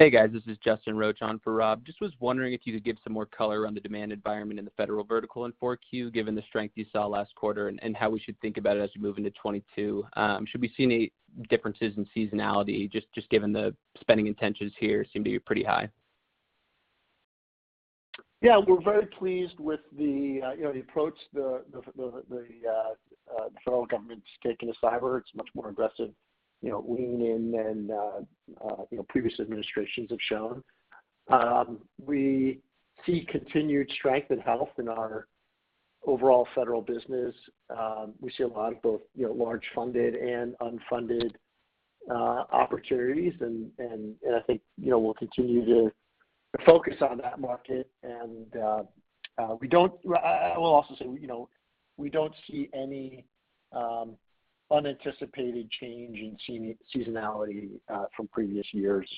Hey, guys. This is Justin Burrowes on for Rob. Just was wondering if you could give some more color on the demand environment in the federal vertical in 4Q, given the strength you saw last quarter, and how we should think about it as we move into 2022. Should we see any differences in seasonality just given the spending intentions here seem to be pretty high? Yeah, we're very pleased with you know, the approach the federal government's taking to cyber. It's much more aggressive, you know, lean in than you know, previous administrations have shown. We see continued strength and health in our overall federal business. We see a lot of both you know, large funded and unfunded opportunities. I think you know, we'll continue to focus on that market. We will also say you know, we don't see any unanticipated change in seasonality from previous years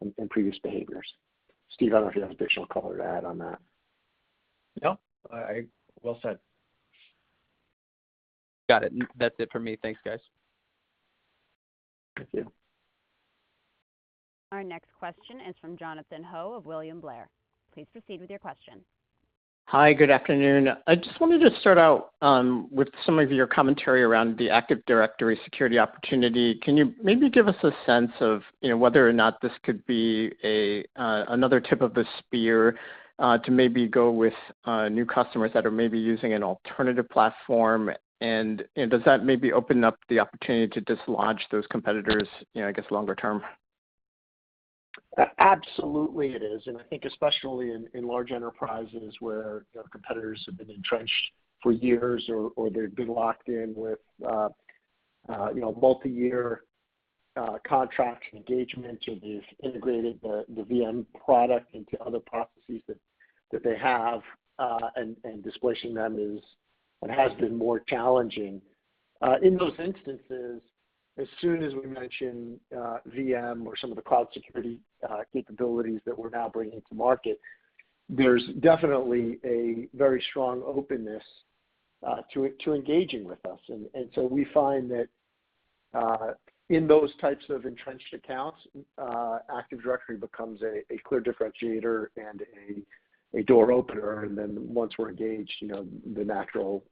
and previous behaviors. Steve, I don't know if you have a dditional color to add on that. No. Well said. Got it. That's it for me. Thanks, guys. Thank you. Our next question is from Jonathan Ho of William Blair. Please proceed with your question. Hi, good afternoon. I just wanted to start out with some of your commentary around the Active Directory security opportunity. Can you maybe give us a sense of, you know, whether or not this could be another tip of the spear to maybe go with new customers that are maybe using an alternative platform? Does that maybe open up the opportunity to dislodge those competitors, you know, I guess longer term? Absolutely it is. I think especially in large enterprises where you know competitors have been entrenched for years or they've been locked in with you know multiyear contracts and engagements or they've integrated the VM product into other processes that they have and displacing them is and has been more challenging. In those instances, as soon as we mention VM or some of the cloud security capabilities that we're now bringing to market, there's definitely a very strong openness to engaging with us. So we find that in those types of entrenched accounts Active Directory becomes a clear differentiator and a door opener. Then once we're engaged you know the natural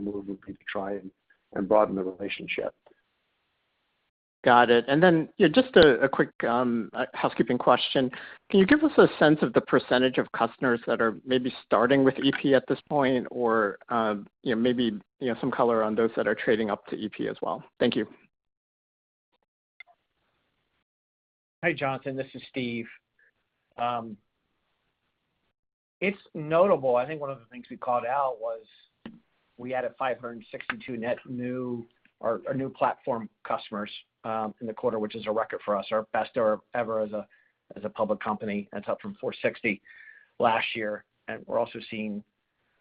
move would be to try and broaden the relationship. Got it. You know, just a quick housekeeping question. Can you give us a sense of the percentage of customers that are maybe starting with EP at this point or, you know, maybe, you know, some color on those that are trading up to EP as well? Thank you. Hey, Jonathan, this is Steve. It's notable. I think one of the things we called out was we added 562 net new platform customers in the quarter, which is a record for us, our best ever as a public company. That's up from 460 last year, and we're also seeing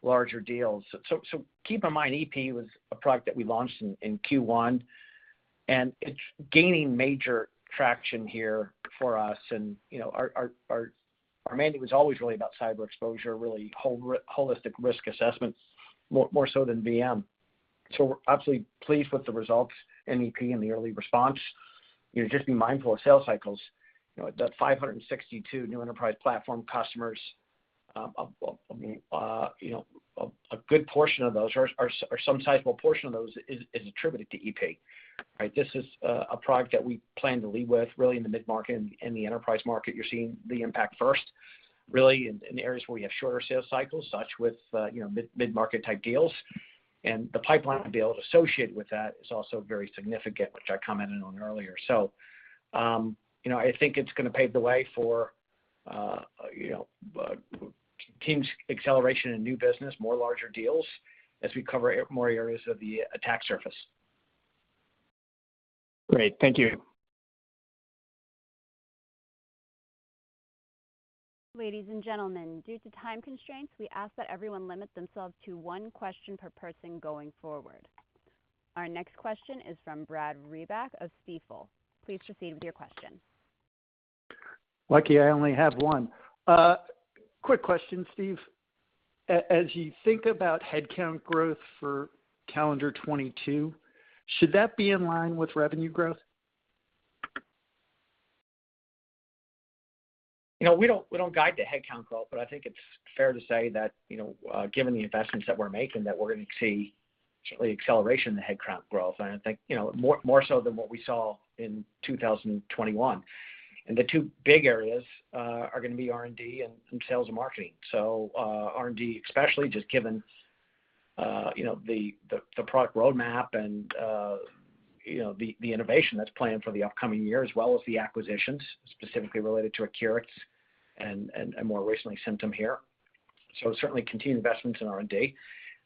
larger deals. Keep in mind, EP was a product that we launched in Q1, and it's gaining major traction here for us. You know, our mandate was always really about cyber exposure, really holistic risk assessments more so than VM. We're absolutely pleased with the results in EP and the early response. You know, just be mindful of sales cycles. You know, that 562 new enterprise platform customers, you know, a good portion of those or some sizable portion of those is attributed to EP, right? This is a product that we plan to lead with really in the mid-market. In the enterprise market, you're seeing the impact first, really in areas where you have shorter sales cycles, such as with you know, mid-market type deals. The pipeline of deals associated with that is also very significant, which I commented on earlier. You know, I think it's gonna pave the way for team's acceleration in new business, more larger deals as we cover more areas of the attack surface. Great. Thank you. Ladies and gentlemen, due to time constraints, we ask that everyone limit themselves to one question per person going forward. Our next question is from Brad Reback of Stifel. Please proceed with your question. Luckily I only have one. Quick question, Steve. As you think about headcount growth for calendar 2022, should that be in line with revenue growth? You know, we don't guide the headcount growth, but I think it's fair to say that, you know, given the investments that we're making, that we're gonna see certainly acceleration in the headcount growth. I think, you know, more so than what we saw in 2021. The two big areas are gonna be R&D and sales and marketing. R&D especially just given, you know, the product roadmap and, you know, the innovation that's planned for the upcoming year, as well as the acquisitions specifically related to Accurics and more recently Cymptom here. Certainly continued investments in R&D.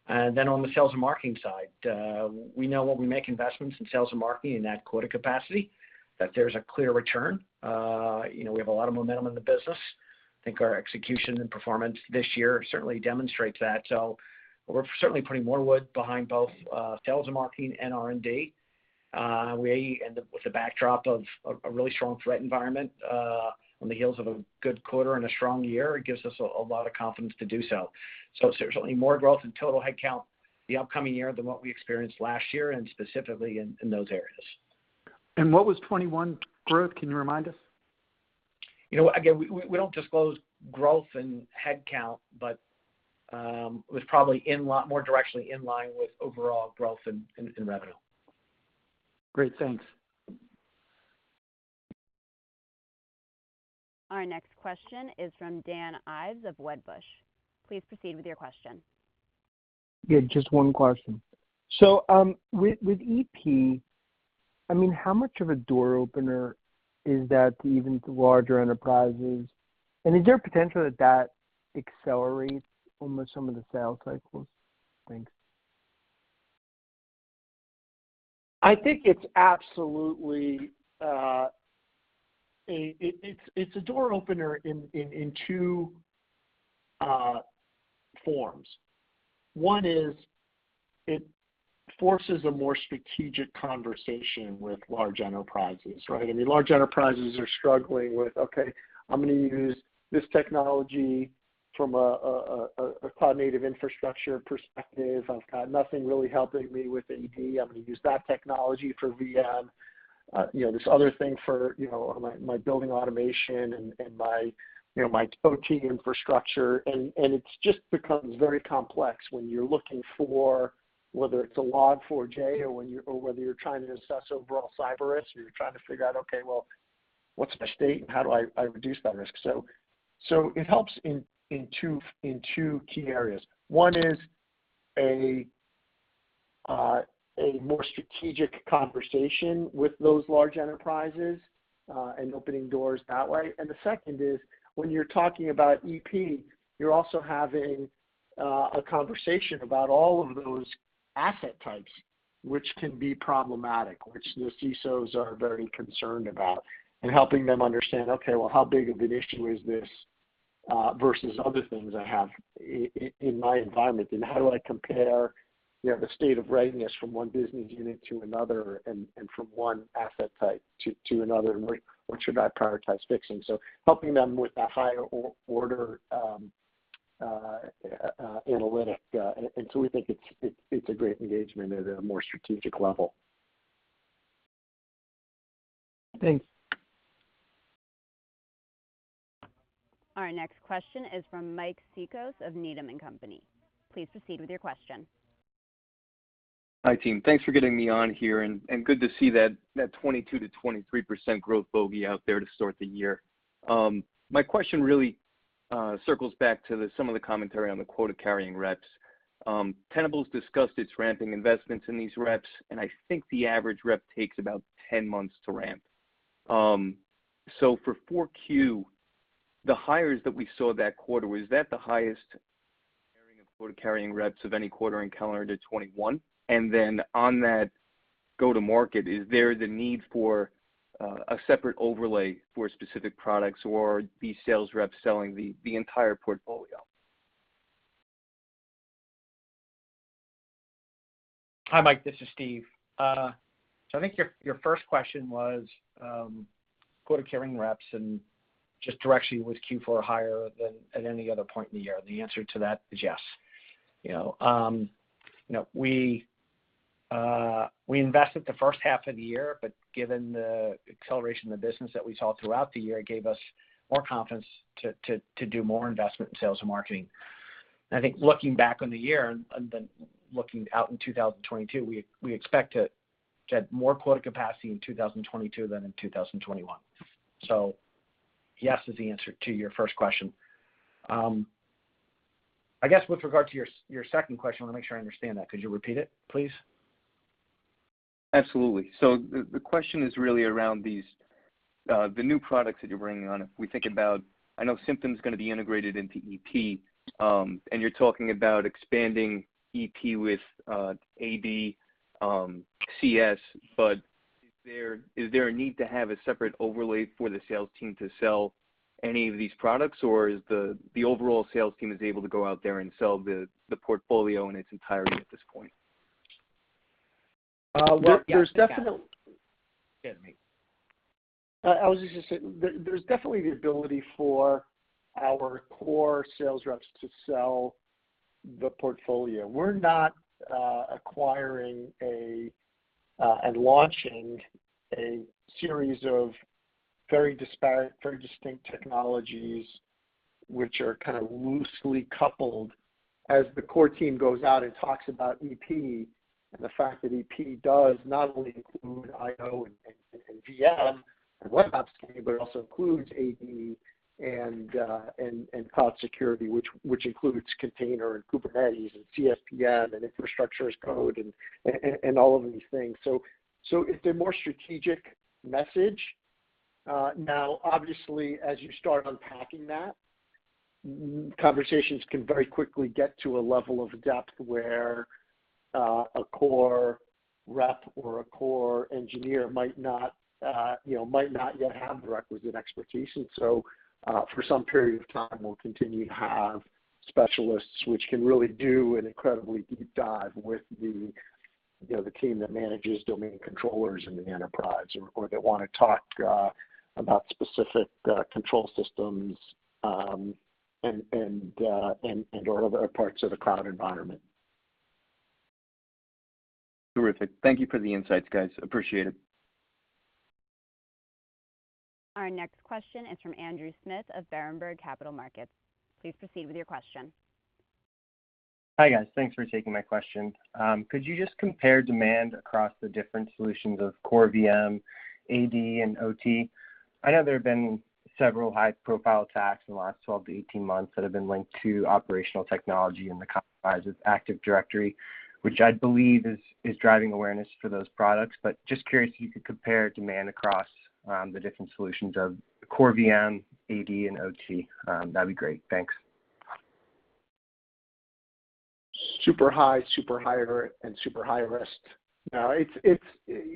Then on the sales and marketing side, we know when we make investments in sales and marketing in that quota capacity, that there's a clear return. You know, we have a lot of momentum in the business. I think our execution and performance this year certainly demonstrates that. We're certainly putting more wood behind both sales and marketing and R&D, and with the backdrop of a really strong threat environment, on the heels of a good quarter and a strong year, it gives us a lot of confidence to do so. Certainly more growth in total headcount the upcoming year than what we experienced last year, and specifically in those areas. What was 2021 growth? Can you remind us? You know, again, we don't disclose growth and headcount, but it was probably in line, more directly in line with overall growth in revenue. Great. Thanks. Our next question is from Dan Ives of Wedbush. Please proceed with your question. Yeah, just one question. With EP, I mean, how much of a door opener is that to even larger enterprises? Is there potential that accelerates on some of the sales cycles? Thanks. I think it's absolutely a door opener in two forms. One is it forces a more strategic conversation with large enterprises, right? I mean, large enterprises are struggling with, okay, I'm gonna use this technology from a cloud-native infrastructure perspective. I've got nothing really helping me with EP. I'm gonna use that technology for VM. You know, this other thing for, you know, my building automation and my OT infrastructure. It just becomes very complex when you're looking for whether it's a Log4j or whether you're trying to assess overall cyber risk, or you're trying to figure out, okay, well, what's my state and how do I reduce that risk? So it helps in two key areas. One is a- A more strategic conversation with those large enterprises and opening doors that way. The second is when you're talking about EP, you're also having a conversation about all of those asset types which can be problematic, which the CISOs are very concerned about. Helping them understand, okay, well, how big of an issue is this versus other things I have in my environment, and how do I compare, you know, the state of readiness from one business unit to another and from one asset type to another, and what should I prioritize fixing? Helping them with that higher order analytic. We think it's a great engagement at a more strategic level. Thanks. Our next question is from Mike Cikos of Needham & Company. Please proceed with your question. Hi, team. Thanks for getting me on here and good to see that 22%-23% growth bogey out there to start the year. My question really circles back to some of the commentary on the quota-carrying reps. Tenable's discussed its ramping investments in these reps, and I think the average rep takes about 10 months to ramp. So for 4Q, the hires that we saw that quarter, was that the highest carrying of quota-carrying reps of any quarter in calendar 2021? And then on that go-to-market, is there the need for a separate overlay for specific products, or are these sales reps selling the entire portfolio? Hi, Mike, this is Steve. I think your first question was quota-carrying reps and just directionally was Q4 higher than at any other point in the year. The answer to that is yes. You know, we invested the first half of the year, but given the acceleration of the business that we saw throughout the year, it gave us more confidence to do more investment in sales and marketing. I think looking back on the year and then looking out in 2022, we expect to have more quota capacity in 2022 than in 2021. Yes is the answer to your first question. I guess with regard to your second question, I want to make sure I understand that. Could you repeat it, please? Absolutely. The question is really around these, the new products that you're bringing on. If we think about, I know Cymptom's gonna be integrated into EP, and you're talking about expanding EP with AD, CS. Is there a need to have a separate overlay for the sales team to sell any of these products, or is the overall sales team able to go out there and sell the portfolio in its entirety at this point? There's definitely- Well, yeah. Yeah. Excuse me. I was just gonna say, there's definitely the ability for our core sales reps to sell the portfolio. We're not acquiring and launching a series of very disparate, very distinct technologies which are kind of loosely coupled. As the core team goes out and talks about EP and the fact that EP does not only include IO and VM and web app scanning, but it also includes AD and cloud security, which includes container and Kubernetes and CSPM and infrastructure as code and all of these things. It's a more strategic message. Now obviously as you start unpacking that, conversations can very quickly get to a level of depth where a core rep or a core engineer might not yet have the requisite expertise. For some period of time, we'll continue to have specialists which can really do an incredibly deep dive with the, you know, the team that manages domain controllers in the enterprise or that wanna talk about specific control systems, and other parts of the cloud environment. Terrific. Thank you for the insights, guys. Appreciate it. Our next question is from Aditya Budtha of Berenberg Capital Markets. Please proceed with your question. Hi, guys. Thanks for taking my question. Could you just compare demand across the different solutions of Core VM, AD, and OT? I know there have been several high-profile attacks in the last 12-18 months that have been linked to operational technology and the compromise of Active Directory, which I believe is driving awareness for those products. Just curious if you could compare demand across the different solutions of Core VM, AD, and OT. That'd be great. Thanks. Super high risk. No, it's...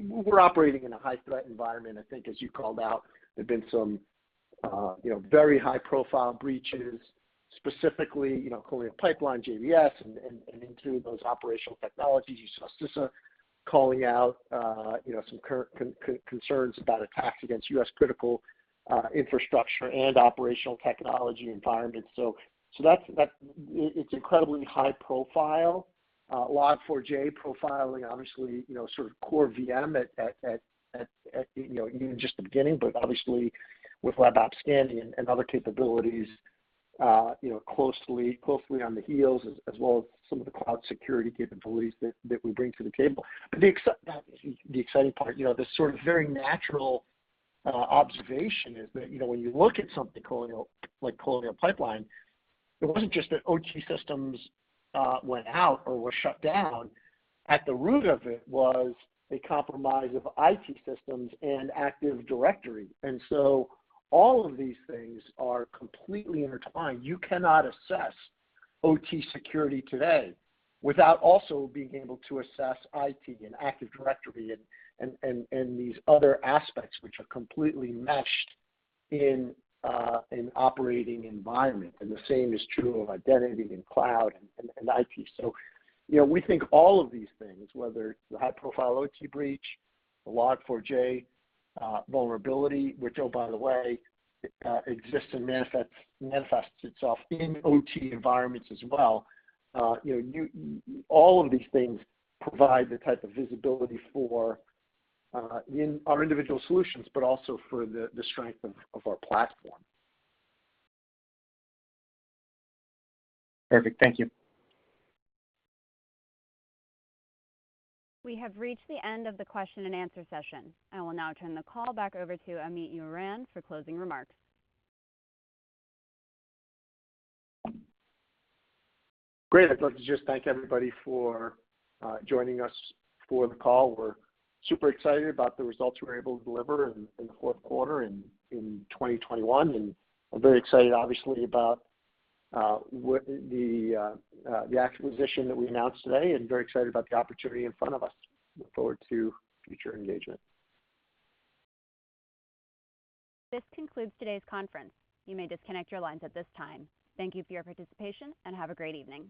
We're operating in a high-threat environment. I think as you called out, there's been some, you know, very high-profile breaches, specifically, you know, Colonial Pipeline, JBS, and in two of those operational technologies, you saw CISA calling out, you know, some concerns about attacks against U.S. critical, infrastructure and operational technology environments. That's... It's incredibly high profile. Log4j profiling obviously, you know, sort of Core VM at, you know, even just the beginning. But obviously with web app scanning and other capabilities, you know, closely on the heels as well as some of the cloud security capabilities that we bring to the table. The exciting part, you know, this sort of very natural observation is that, you know, when you look at something Colonial, like Colonial Pipeline, it wasn't just that OT systems went out or were shut down. At the root of it was a compromise of IT systems and Active Directory. All of these things are completely intertwined. You cannot assess OT security today without also being able to assess IT and Active Directory and these other aspects which are completely meshed in an operating environment. The same is true of identity and cloud and IP. You know, we think all of these things, whether it's the high-profile OT breach, the Log4j vulnerability, which, oh, by the way, exists and manifests itself in OT environments as well. You know, you... All of these things provide the type of visibility for in our individual solutions, but also for the strength of our platform. Perfect. Thank you. We have reached the end of the question and answer session. I will now turn the call back over to Amit Yoran for closing remarks. Great. I'd love to just thank everybody for joining us for the call. We're super excited about the results we were able to deliver in the fourth quarter in 2021, and we're very excited obviously about what the acquisition that we announced today, and very excited about the opportunity in front of us. We look forward to future engagement. This concludes today's conference. You may disconnect your lines at this time. Thank you for your participation, and have a great evening.